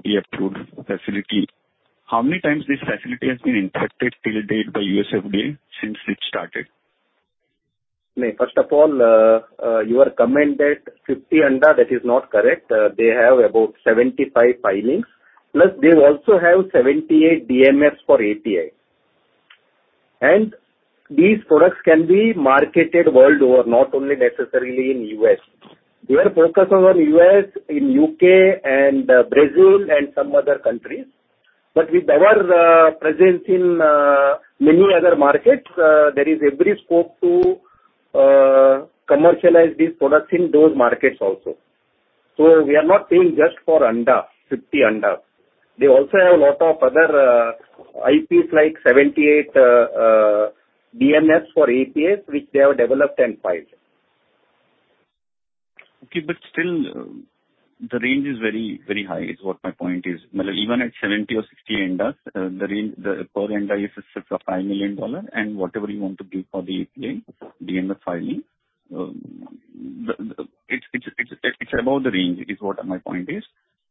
USFDA-approved facility, how many times this facility has been inspected till date by USFDA since it started? Okay. First of all, you have commented 50 NDA. That is not correct. They have about 75 filings. They also have 78 DMFs for API. These products can be marketed worldwide, not only necessarily in US. They are focused on U.S., in U.K., and Brazil, and some other countries. With our presence in many other markets, there is every scope to commercialize these products in those markets also. We are not paying just for NDA, 50 NDAs. They also have a lot of other IPs like 78 DMFs for APIs which they have developed and filed. Okay. Still, the range is very, very high, is what my point is. Even at 70 or 60 NDAs, the per NDA is $5 million. Whatever you want to do for the API, DMF filing, it's about the range, is what my point is.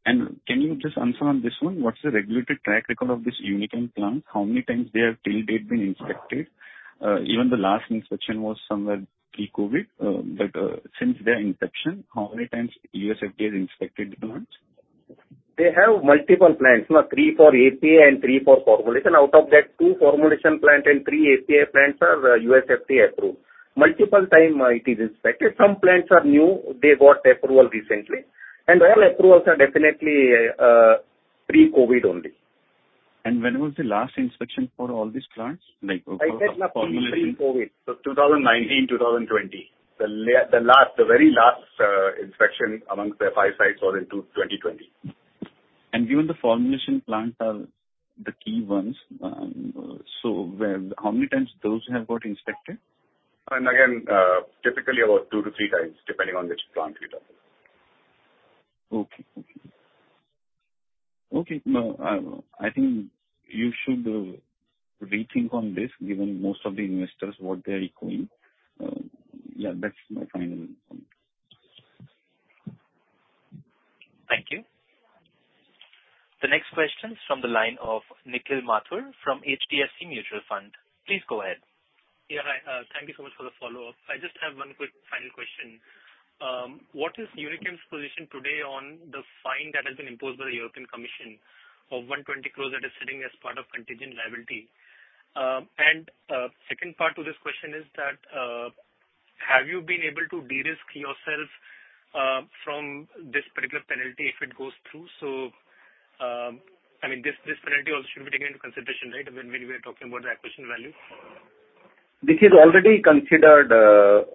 Can you just answer on this one? What's the regulated track record of these Unichem plants? How many times they have till date been inspected? Even the last inspection was somewhere pre-COVID. Since their inception, how many times USFDA has inspected the plants? They have multiple plants, 3, 4 API and 3, 4 formulation. Out of that, 2 formulation plants and 3 API plants are USFDA-approved. Multiple times it is inspected. Some plants are new. They got approval recently. All approvals are definitely pre-COVID only. When was the last inspection for all these plants, formulation? I said pre-COVID, so 2019, 2020. The very last inspection amongst the five sites was in 2020. Given the formulation plants are the key ones, so how many times those have got inspected? Again, typically about 2-3x depending on which plant we talk about. Okay. Okay. Okay. No, I think you should rethink on this given most of the investors, what they are doing. Yeah, that's my final point. Thank you. The next question's from the line of Nikhil Mathur from HDFC Mutual Fund. Please go ahead. Yeah. Thank you so much for the follow-up. I just have one quick final question. What is Unichem's position today on the fine that has been imposed by the European Commission of 120 crores that is sitting as part of contingent liability? Second part to this question is that have you been able to de-risk yourself from this particular penalty if it goes through? I mean, this penalty also should be taken into consideration, right, when we are talking about the acquisition value? This is already considered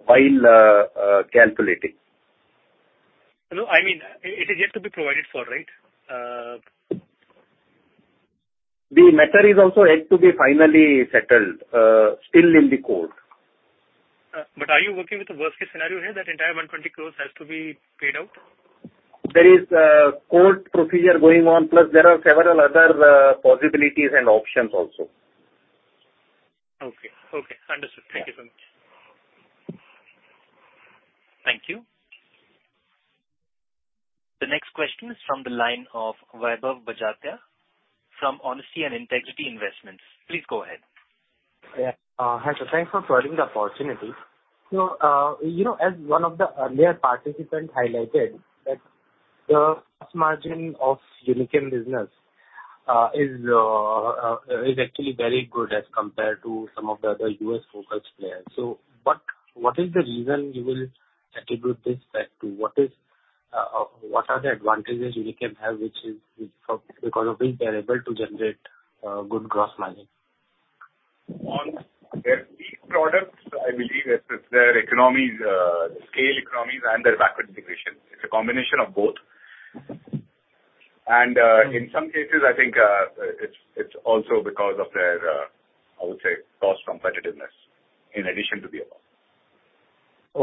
while calculating. No, I mean, it is yet to be provided for, right? The matter is also yet to be finally settled, still in the court. Are you working with a worst-case scenario here, that entire 120 crores has to be paid out? There is a court procedure going on, plus there are several other possibilities and options also. Okay. Okay. Understood. Thank you so much. Thank you. The next question is from the line of Vaibhav Bajaj from Honesty and Integrity Investment. Please go ahead. Yeah. Hi, sir. Thanks for providing the opportunity. As one of the earlier participants highlighted, the margin of Unichem business is actually very good as compared to some of the other U.S.-focused players. What is the reason you will attribute this fact to? What are the advantages Unichem has because of which they are able to generate good gross money? On their key products, I believe it's their scale economies and their backward integration. It's a combination of both. In some cases, I think it's also because of their, I would say, cost competitiveness in addition to the above.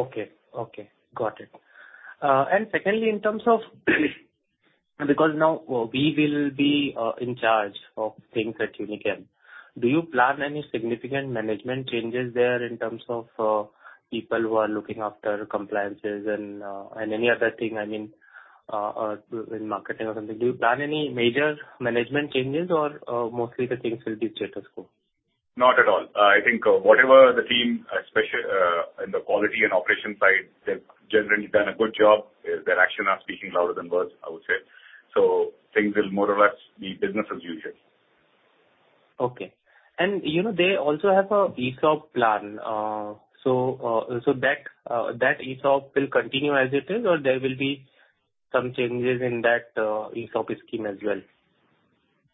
Okay. Okay. Got it. Secondly, in terms of because now we will be in charge of things at Unichem, do you plan any significant management changes there in terms of people who are looking after compliances and any other thing, I mean, in marketing or something? Do you plan any major management changes, or mostly the things will be status quo? Not at all. I think whatever the team, especially in the quality and operation side, they've generally done a good job. Their actions are speaking louder than words, I would say. Things will more or less be business as usual. Okay. They also have an ESOP plan. That ESOP will continue as it is, or there will be some changes in that ESOP scheme as well?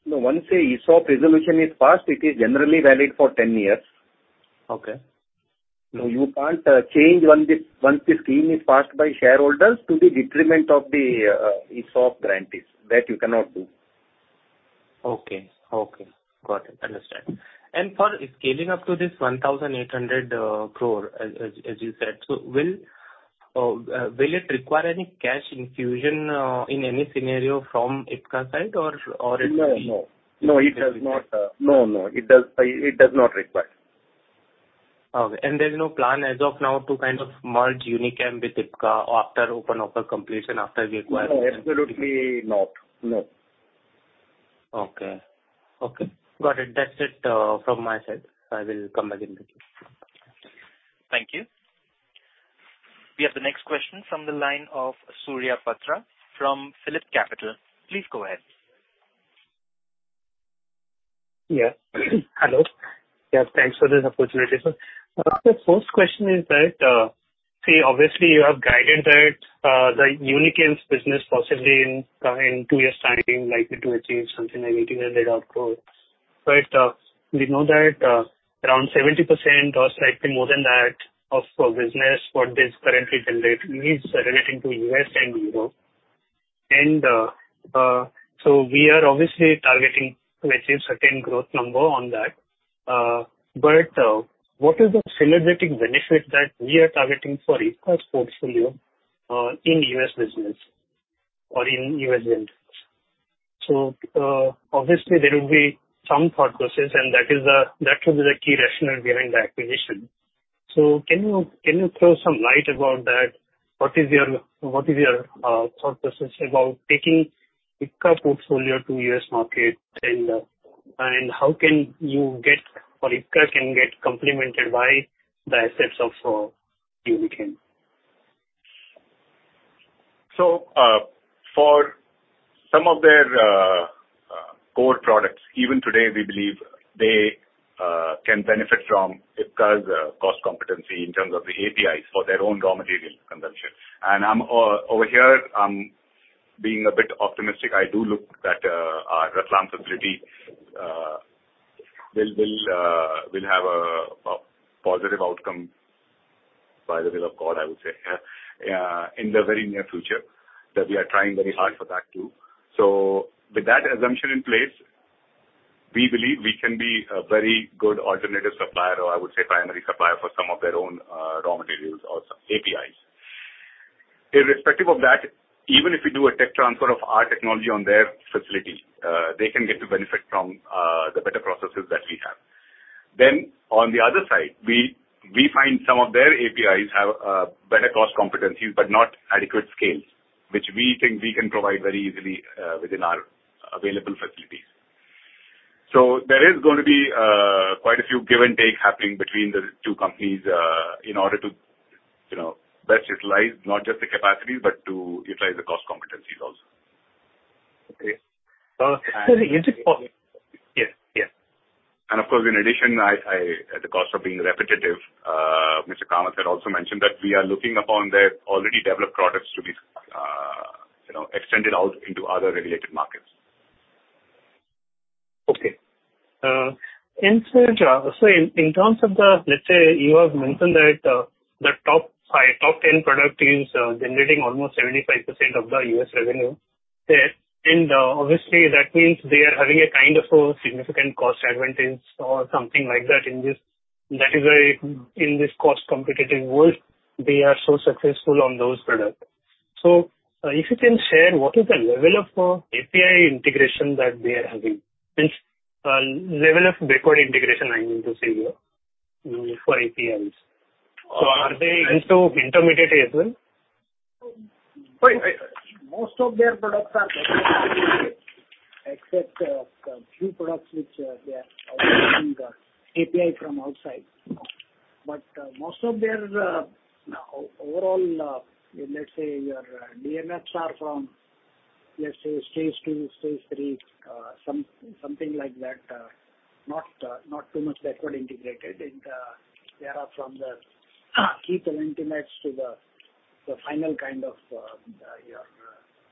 No, once the ESOP resolution is passed, it is generally valid for 10 years. You can't change once the scheme is passed by shareholders to the detriment of the ESOP grantees. That you cannot do. Okay. Okay. Got it. Understood. For scaling up to this 1,800 crore, as you said, will it require any cash infusion in any scenario from Ipca side, or it will be? No, no. No, it does not. No, no. It does not require. Okay. There's no plan as of now to kind of merge Unichem with IPCA after open offer completion, after we acquire? No, absolutely not. No. Okay. Okay. Got it. That's it from my side. I will come back in with you. Thank you. We have the next question from the line of Surya Patra from PhillipCapital. Please go ahead. Yes. Hello. Thanks for this opportunity. The first question is that, obviously, you have guided that the Unichem's business possibly in two years' time likely to achieve something like 80 NDA output. We know that around 70% or slightly more than that of business, what this currently generates, is relating to US and Europe. We are obviously targeting to achieve a certain growth number on that. What is the synergetic benefit that we are targeting for Ipca's portfolio in US business or in US ventures? Obviously, there will be some thought process, and that should be the key rationale behind the acquisition. Can you throw some light about that? What is your thought process about taking Ipca portfolio to US market, and how can you get or Ipca can get complemented by the assets of Unichem? For some of their core products, even today, we believe they can benefit from Ipca's cost competency in terms of the APIs for their own raw material consumption. Over here, I'm being a bit optimistic. I do look that our Ratlam facility will have a positive outcome, by the will of God, I would say, in the very near future that we are trying very hard for that too. With that assumption in place, we believe we can be a very good alternative supplier, or I would say primary supplier, for some of their own raw materials or APIs. Irrespective of that, even if we do a tech transfer of our technology on their facility, they can get to benefit from the better processes that we have. On the other side, we find some of their APIs have better cost competencies but not adequate scales, which we think we can provide very easily within our available facilities. There is going to be quite a few give-and-take happening between the two companies in order to best utilize not just the capacities but to utilize the cost competencies also. Okay. The interest point. Yes. Yes. Of course, in addition, at the cost of being repetitive, Mr. Kamath had also mentioned that we are looking upon their already developed products to be extended out into other regulated markets. Okay. Sir, in terms of the let's say, you have mentioned that the top 10 product is generating almost 75% of the US revenue there. Obviously, that means they are having a kind of significant cost advantage or something like that in this in this cost-competitive world. They are so successful on those products. If you can share, what is the level of API integration that they are having? Means level of backward integration, I mean to say, for APIs. Are they into intermediate as well? Well, most of their products are better than intermediate, except a few products which they are outsourcing the API from outside. But most of their overall, let's say, your DMFs are from, let's say, stage two, stage three, something like that, not too much backward integrated. And they are from the key telemetry nets to the final kind of your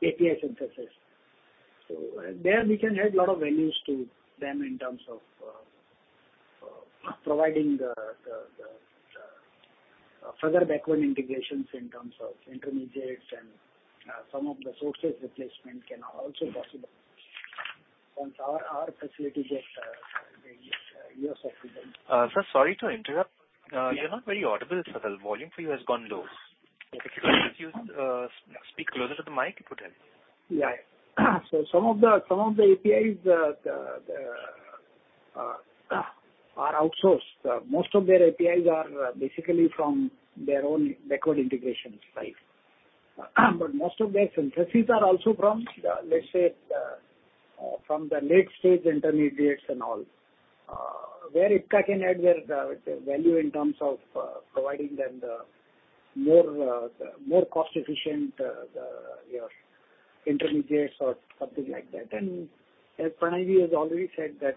API synthesis. So there, we can add a lot of values to them in terms of providing further backward integrations in terms of intermediates, and some of the sources replacement can also be possible. Once our facility gets US official. Sir, sorry to interrupt. You're not very audible, sir. The volume for you has gone low. If you could please speak closer to the mic, it would help. Some of the APIs are outsourced. Most of their APIs are basically from their own backward integration site. Most of their synthesis are also from, let's say, from the late-stage intermediates and all, where IPCA can add their value in terms of providing them the more cost-efficient intermediates or something like that. As Pranay has already said, that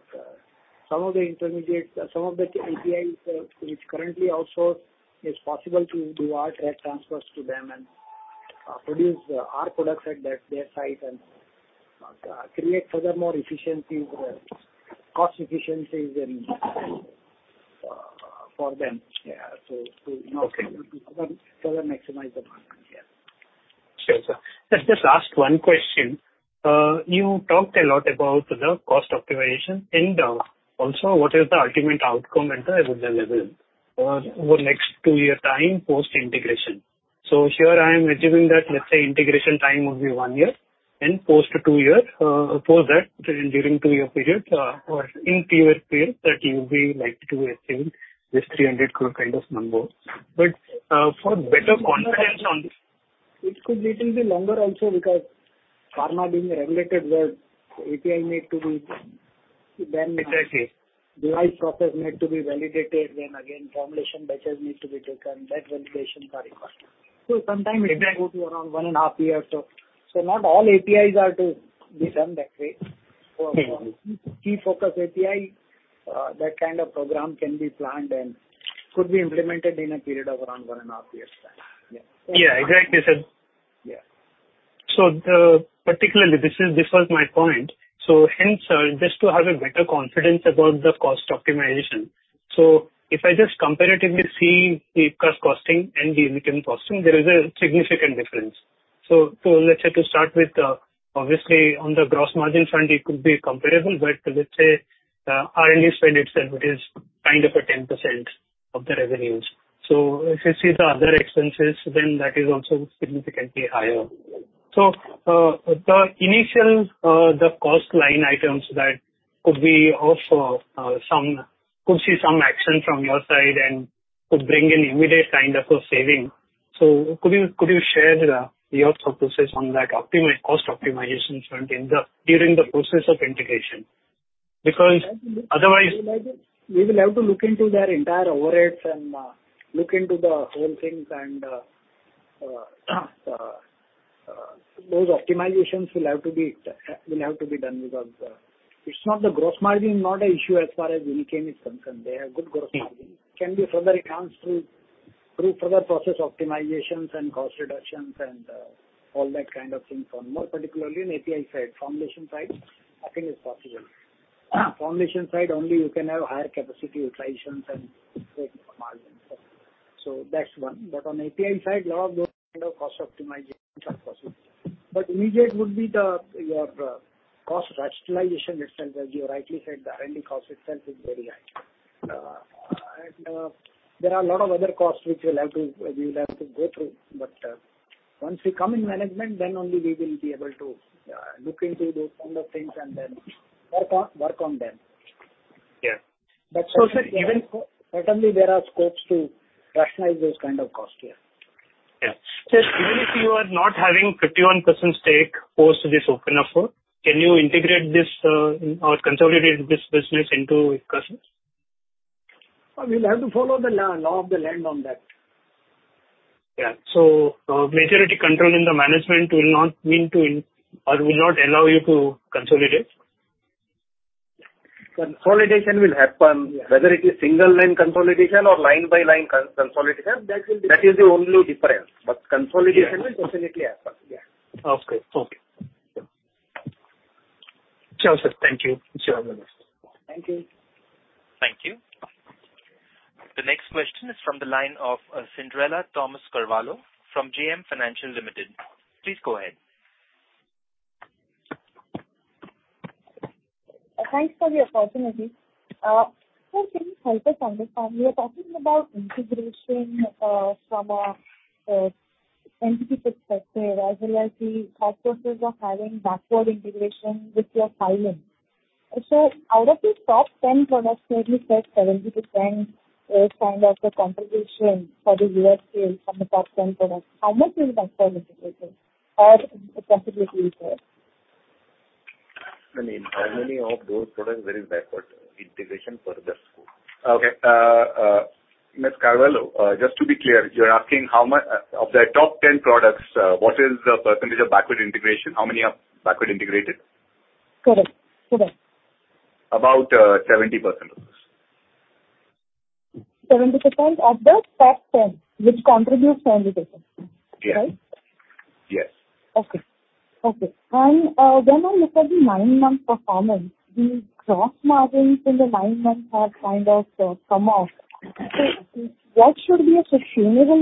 some of the APIs which currently are outsourced, it's possible to do our tech transfers to them and produce our products at their site and create further more cost efficiencies for them, to further maximize the market. Sir. Let's just ask one question. You talked a lot about the cost optimization. What is the ultimate outcome at the level over the next two-year time post-integration? I am assuming that, let's say, integration time would be one year and post-two-year post that during two-year period or in two-year period that you would be likely to achieve this 300 crore kind of number. For better confidence on. It could little bit longer also because pharma being regulated, the API needs to be then. Exactly. Device process needs to be validated. Again, formulation batches need to be taken. That validation is required. Sometimes it can go to around one and a half years. Not all APIs are to be done that way. For key focus API, that kind of program can be planned and could be implemented in a period of around one and a half years. Yeah. Yeah. Exactly, sir. Particularly, this was my point. Hence, sir, just to have a better confidence about the cost optimization. If I just comparatively see the Ipca's costing and the Unichem costing, there is a significant difference. Let's say, to start with, obviously, on the gross margin front, it could be comparable. Let's say, R&D spend itself, it is kind of a 10% of the revenues. If you see the other expenses, that is also significantly higher. The initial cost line items that could be of some could see some action from your side and could bring an immediate kind of a saving. Could you share your thought process on that cost optimization front during the process of integration? Because otherwise. We will have to look into their entire overheads and look into the whole things. Those optimizations will have to be done because it's not the gross margin, not an issue as far as Unichem is concerned. They have good gross margin. Can be further enhanced through further process optimizations and cost reductions and all that kind of things. More particularly on API side, formulation side, I think it's possible. Formulation side, only you can have higher capacity utilizations and greater margins. That's one. On API side, a lot of those kind of cost optimizations are possible. Immediate would be your cost rationalization itself. As you rightly said, the R&D cost itself is very high. There are a lot of other costs which we will have to go through. Once we come in management, then only we will be able to look into those kind of things and then work on them. Certainly, there are scopes to rationalize those kind of costs, yeah. Yeah. Sir, even if you are not having 51% stake post this open offer, can you integrate this or consolidate this business into IPCA's? We'll have to follow the law of the land on that. Yeah. Majority control in the management will not mean to or will not allow you to consolidate? Consolidation will happen, whether it is single-line consolidation or line-by-line consolidation. That is the only difference. Consolidation will definitely happen, yeah. Okay. Okay. Yeah. Sure, sir. Thank you. You too. Have a good night. Thank you. Thank you. The next question is from the line of Cyndrella Thomas Carvalho from JM Financial Limited. Please go ahead. Thanks for the opportunity. Sir, can you help us understand? We are talking about integration from an entity perspective as well as the thought process of having backward integration with your filing. Out of the top 10 products, clearly said 70% is kind of the contribution for the U.S. sales from the top 10 products. How much is backward integration or possibility there? I mean, how many of those products there is backward integration for the scope? Okay. Miss Carvalho, just to be clear, you're asking how much of the top 10 products, what is the % of backward integration? How many are backward integrated? Correct. Correct. About 70% of those. 70% of the top 10 which contribute 70%, right? Yes. Yes. Okay. Okay. When I look at the nine-month performance, the gross margins in the nine months have kind of come off. What should be a sustainable?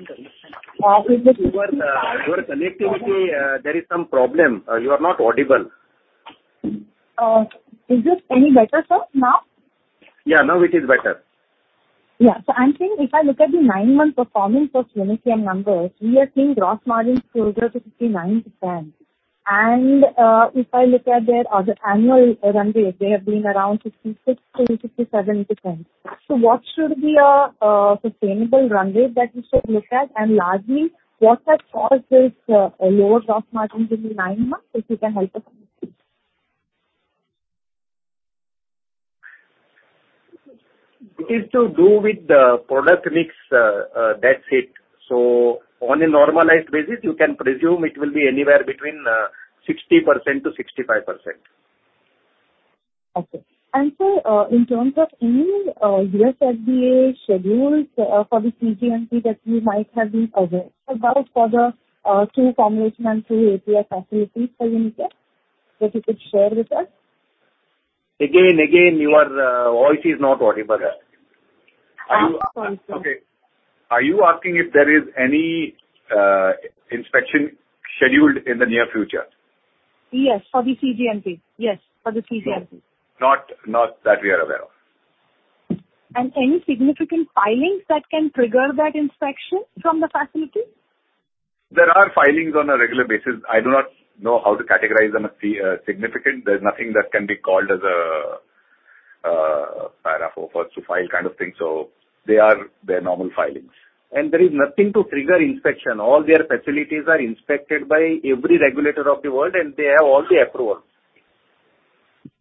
Is it? Your connectivity, there is some problem. You are not audible. Is it any better, sir, now? Yeah. Now it is better. Yeah. I'm saying, if I look at the nine-month performance of Unichem numbers, we are seeing gross margins closer to 59%. If I look at their other annual runways, they have been around 56%-57%. What should be a sustainable runway that we should look at? Largely, what has caused this lower gross margins in the nine months? If you can help us understand. It is to do with the product mix. That's it. On a normalized basis, you can presume it will be anywhere between 60%-65%. Okay. Sir, in terms of any US FDA schedules for the CGMP that you might have been aware about for the 2 formulation and 2 API facilities for Unichem that you could share with us? Again and again, your voice is not audible. Are you? Sorry, sir. Okay. Are you asking if there is any inspection scheduled in the near future? Yes. For the CGMP. Okay. Not that we are aware of. Any significant filings that can trigger that inspection from the facility? There are filings on a regular basis. I do not know how to categorize them as significant. There's nothing that can be called as a paragraph or first to file kind of thing. They are normal filings. There is nothing to trigger inspection. All their facilities are inspected by every regulator of the world, and they have all the approvals.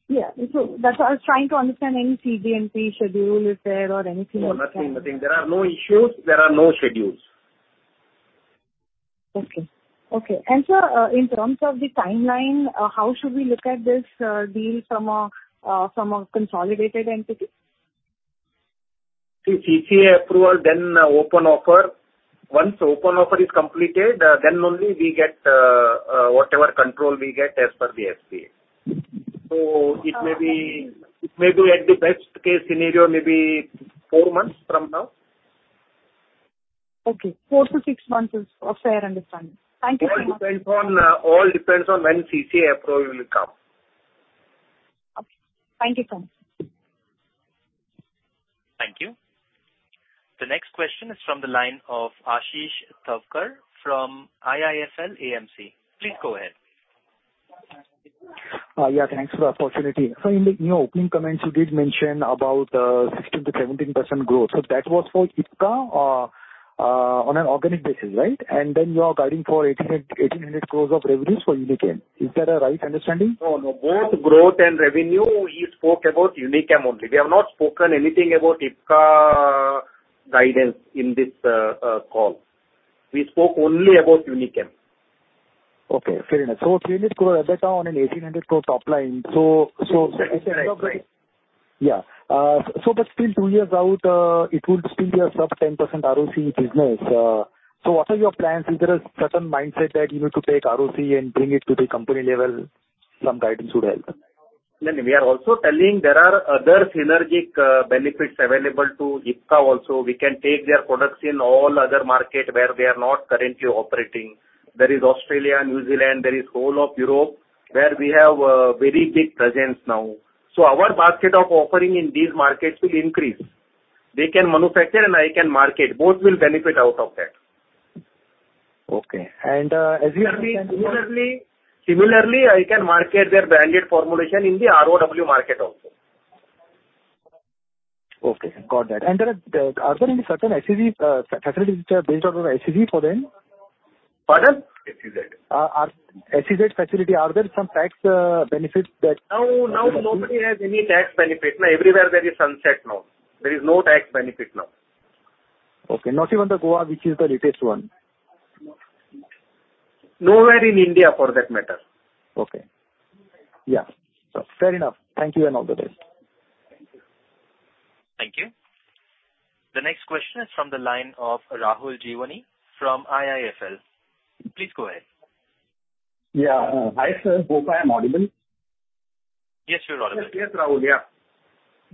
Yeah. That's why I was trying to understand any CGMP schedule if there or anything like that. No, nothing. Nothing. There are no issues. There are no schedules. Okay. Okay. Sir, in terms of the timeline, how should we look at this deal from a consolidated entity? CCI approval, then open offer. Once open offer is completed, then only we get whatever control we get as per the SPA. It may be at the best-case scenario, maybe 4 months from now. Okay. Four to six months is a fair understanding. Thank you so much. All depends on when CCI approval will come. Okay. Thank you so much. Thank you. The next question is from the line of Ashish Thavkar from IIFL AMC. Please go ahead. Yeah. Thanks for the opportunity. In your opening comments, you did mention about 16%-17% growth. That was for Ipca on an organic basis, right? You are guiding for 1,800 crores of revenues for Unichem. Is that a right understanding? No, no. Both growth and revenue, we spoke about Unichem only. We have not spoken anything about Ipca guidance in this call. We spoke only about Unichem. Okay. Fair enough. 300 crore EBITDA on an 1,800 crore top line. It's kind of. That's right. Yeah. But still 2 years out, it would still be a sub-10% ROC business. What are your plans? Is there a certain mindset that you need to take ROC and bring it to the company level? Some guidance would help. No, no. We are also telling there are other synergic benefits available to Ipca also. We can take their products in all other markets where they are not currently operating. There is Australia, New Zealand. There is whole of Europe where we have a very big presence now. Our basket of offering in these markets will increase. They can manufacture, and I can market. Both will benefit out of that. Okay. As you have seen. Similarly, I can market their branded formulation in the ROW market also. Okay. Got that. Sir, are there any certain SEZ facilities which are based on an SEZ for them? Pardon? SEZ. SEZ facility, are there some tax benefits that? Now, nobody has any tax benefit. Everywhere there is sunset now. There is no tax benefit now. Okay. Not even the Goa, which is the latest one? Nowhere in India for that matter. Okay. Yeah. Fair enough. Thank you and all the best. Thank you. The next question is from the line of Rahul Jeewani from IIFL. Please go ahead. Yeah. Hi, sir. Hope I am audible. Yes, you're audible. Yes, yes, Rahul. Yeah.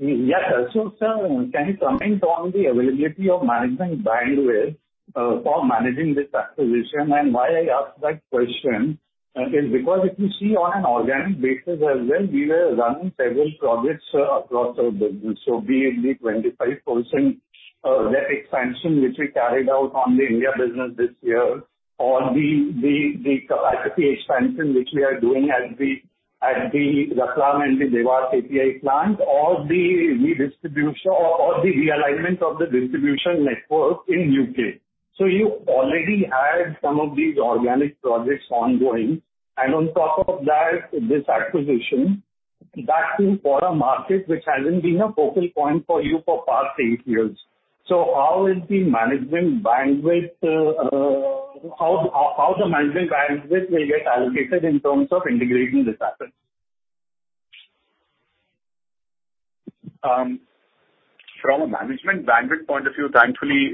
Yes, sir. Sir, can you comment on the availability of management bandwidth for managing this acquisition? Why I ask that question is because if you see on an organic basis as well, we were running several projects across our business. Be it the 25% depth expansion which we carried out on the India business this year or the capacity expansion which we are doing at the Ratlam and the Dewas API plant or the re-distribution or the realignment of the distribution network in U.K. You already had some of these organic projects ongoing. On top of that, this acquisition, that too for a market which hasn't been a focal point for you for past eight years. How will the management bandwidth will get allocated in terms of integrating this asset? From a management bandwidth point of view, thankfully,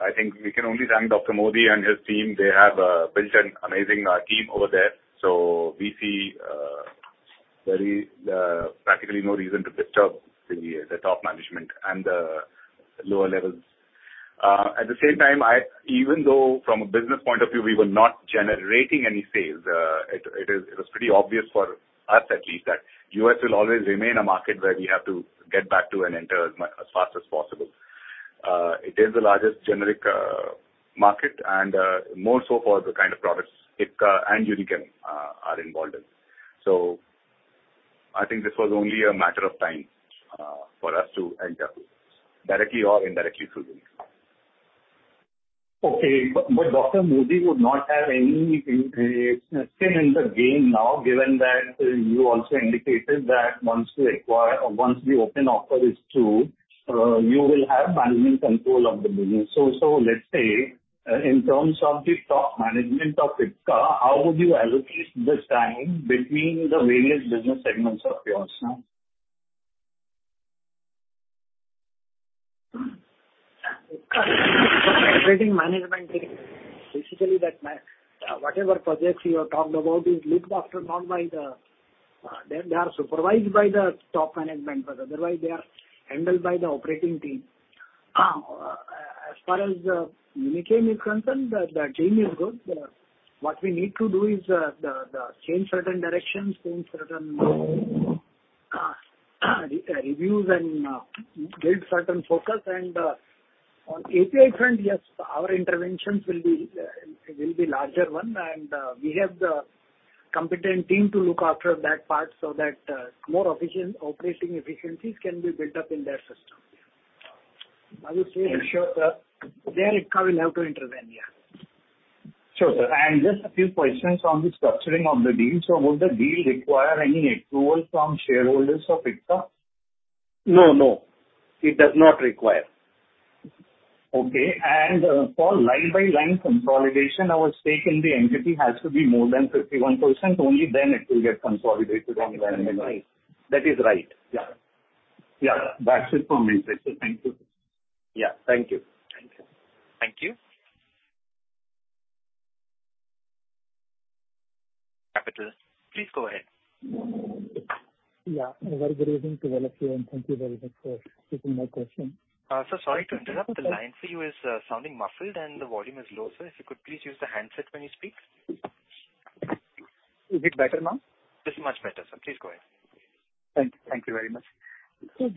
I think we can only thank Dr. Mody and his team. They have built an amazing team over there. We see practically no reason to disturb the top management and the lower levels. At the same time, even though from a business point of view, we were not generating any sales, it was pretty obvious for us at least that U.S. will always remain a market where we have to get back to and enter as fast as possible. It is the largest generics market and more so for the kind of products Ipca and Unichem are involved in. I think this was only a matter of time for us to enter directly or indirectly through Unichem. Dr. Mody would not have any skin in the game now given that you also indicated that once we acquire the open offer is through, you will have management control of the business. Let's say, in terms of the top management of Ipca, how would you allocate the time between the various business segments of yours now? Operating management, basically, whatever projects you have talked about is looked after not by the they are supervised by the top management, but otherwise, they are handled by the operating team. As far as Unichem is concerned, the team is good. What we need to do is change certain directions, change certain reviews, and build certain focus. On API front, yes, our interventions will be larger one. We have the competent team to look after that part so that more operating efficiencies can be built up in their system. I would say. Sir. There Ipca will have to intervene, yeah. Sure, sir. Just a few questions on the structuring of the deal. Would the deal require any approval from shareholders of Ipca? No, no. It does not require. Okay. For line-by-line consolidation, our stake in the entity has to be more than 51%. Only then it will get consolidated on the end. That is right. That is right. Yeah. Yeah. That's it from me, sir. Thank you. Yeah. Thank you. Thank you. Thank you. Uncertain. Please go ahead. Yeah. Very good evening to all of you. Thank you very much for taking my question. Sir, sorry to interrupt. The line for you is sounding muffled, and the volume is low. If you could please use the handset when you speak. Is it better now? It is much better, sir. Please go ahead. Thank you. Thank you very much. Just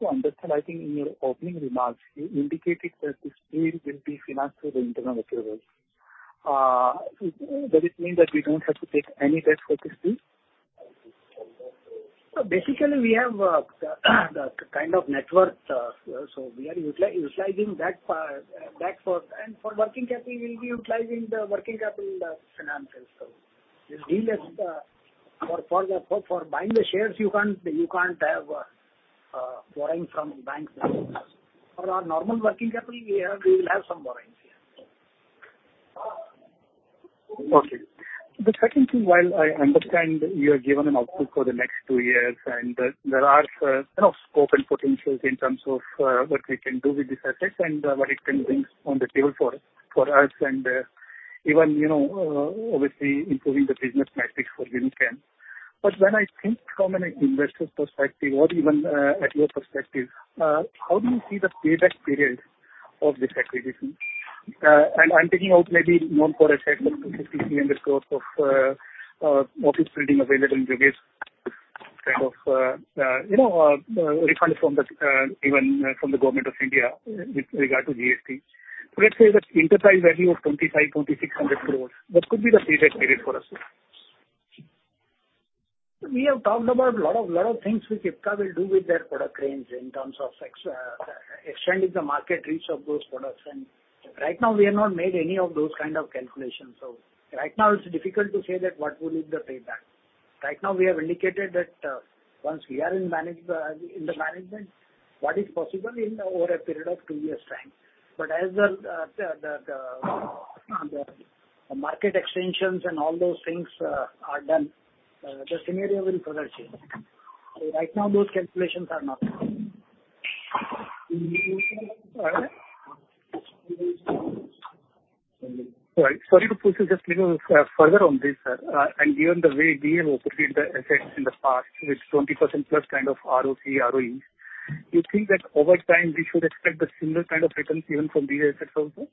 to understand, I think in your opening remarks, you indicated that this deal will be financed through the internal approvals. Does it mean that we don't have to take any debt for this deal? Basically, we have the kind of network. We are utilizing that for and for working capital, we will be utilizing the working capital financials. This deal is for buying the shares, you can't have borrowing from the banks. For our normal working capital, we will have some borrowings, yeah. Okay. The second thing, while I understand you are given an outlook for the next two years, and there are kind of scope and potentials in terms of what we can do with this asset and what it can bring on the table for us and even obviously improving the business metrics for Unichem. When I think from an investor's perspective or even at your perspective, how do you see the payback period of this acquisition? I'm thinking of maybe known for assets of 250 crore-300 crore of office building available in Jogeshwari, kind of a refund from the government of India with regard to GST. Let's say the enterprise value of 2,500 crore-2,600 crore, what could be the payback period for us? We have talked about a lot of things which IPCA will do with their product range in terms of extending the market reach of those products. Right now, we have not made any of those kind of calculations. Right now, it's difficult to say what will be the payback. Right now, we have indicated that once we are in the management, what is possible in over a period of two years' time. As the market extensions and all those things are done, the scenario will further change. Right now, those calculations are not. All right. Sorry to push this just a little further on this, sir. Given the way we have operated the assets in the past with 20%-plus kind of ROC, ROE, do you think that over time, we should expect the similar kind of returns even from these assets also?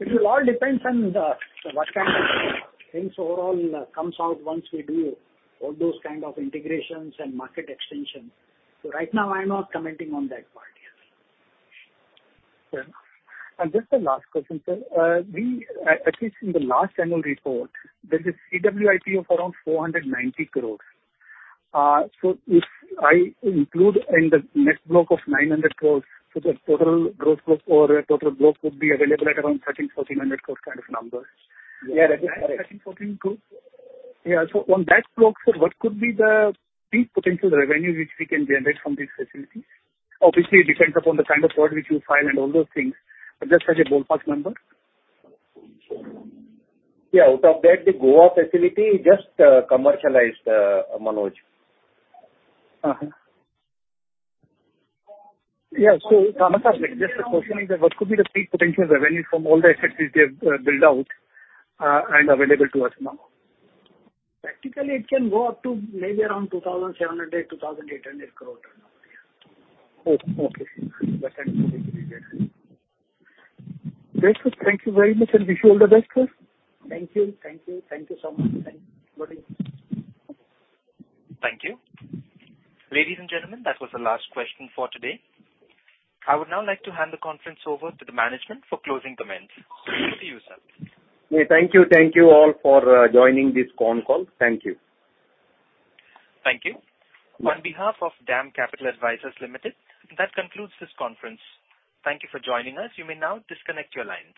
It will all depend on what kind of things overall comes out once we do all those kind of integrations and market extensions. Right now, I am not commenting on that part, yes. Okay. Just the last question, sir. At least in the last annual report, there is a CWIP of around 490 crore. If I include in the next block of 900 crore, the total gross or total block would be available at around 1,300 crore-1,400 crore kind of numbers. Yeah, that is correct. 13, 14 crores? Yeah. On that block, sir, what could be the peak potential revenue which we can generate from these facilities? Obviously, it depends upon the kind of word which you file and all those things, but just as a ballpark number. Yeah. That the Goa facility is just commercialized, Manoj. Yeah. Just the question is that what could be the peak potential revenue from all the assets which they have built out and available to us now? Practically, it can go up to maybe around 2,700 crores, 2,800 crores right now, yeah. Oh, okay. That kind of thing we can do, yes. Very good. Thank you very much, and wish you all the best, sir. Thank you. Thank you. Thank you so much. Thank you. Thank you. Ladies and gentlemen, that was the last question for today. I would now like to hand the conference over to the management for closing comments. Over to you, sir. Yeah. Thank you. Thank you all for joining this phone call. Thank you. Thank you. On behalf of DAM Capital Advisors Limited, that concludes this conference. Thank you for joining us. You may now disconnect your lines.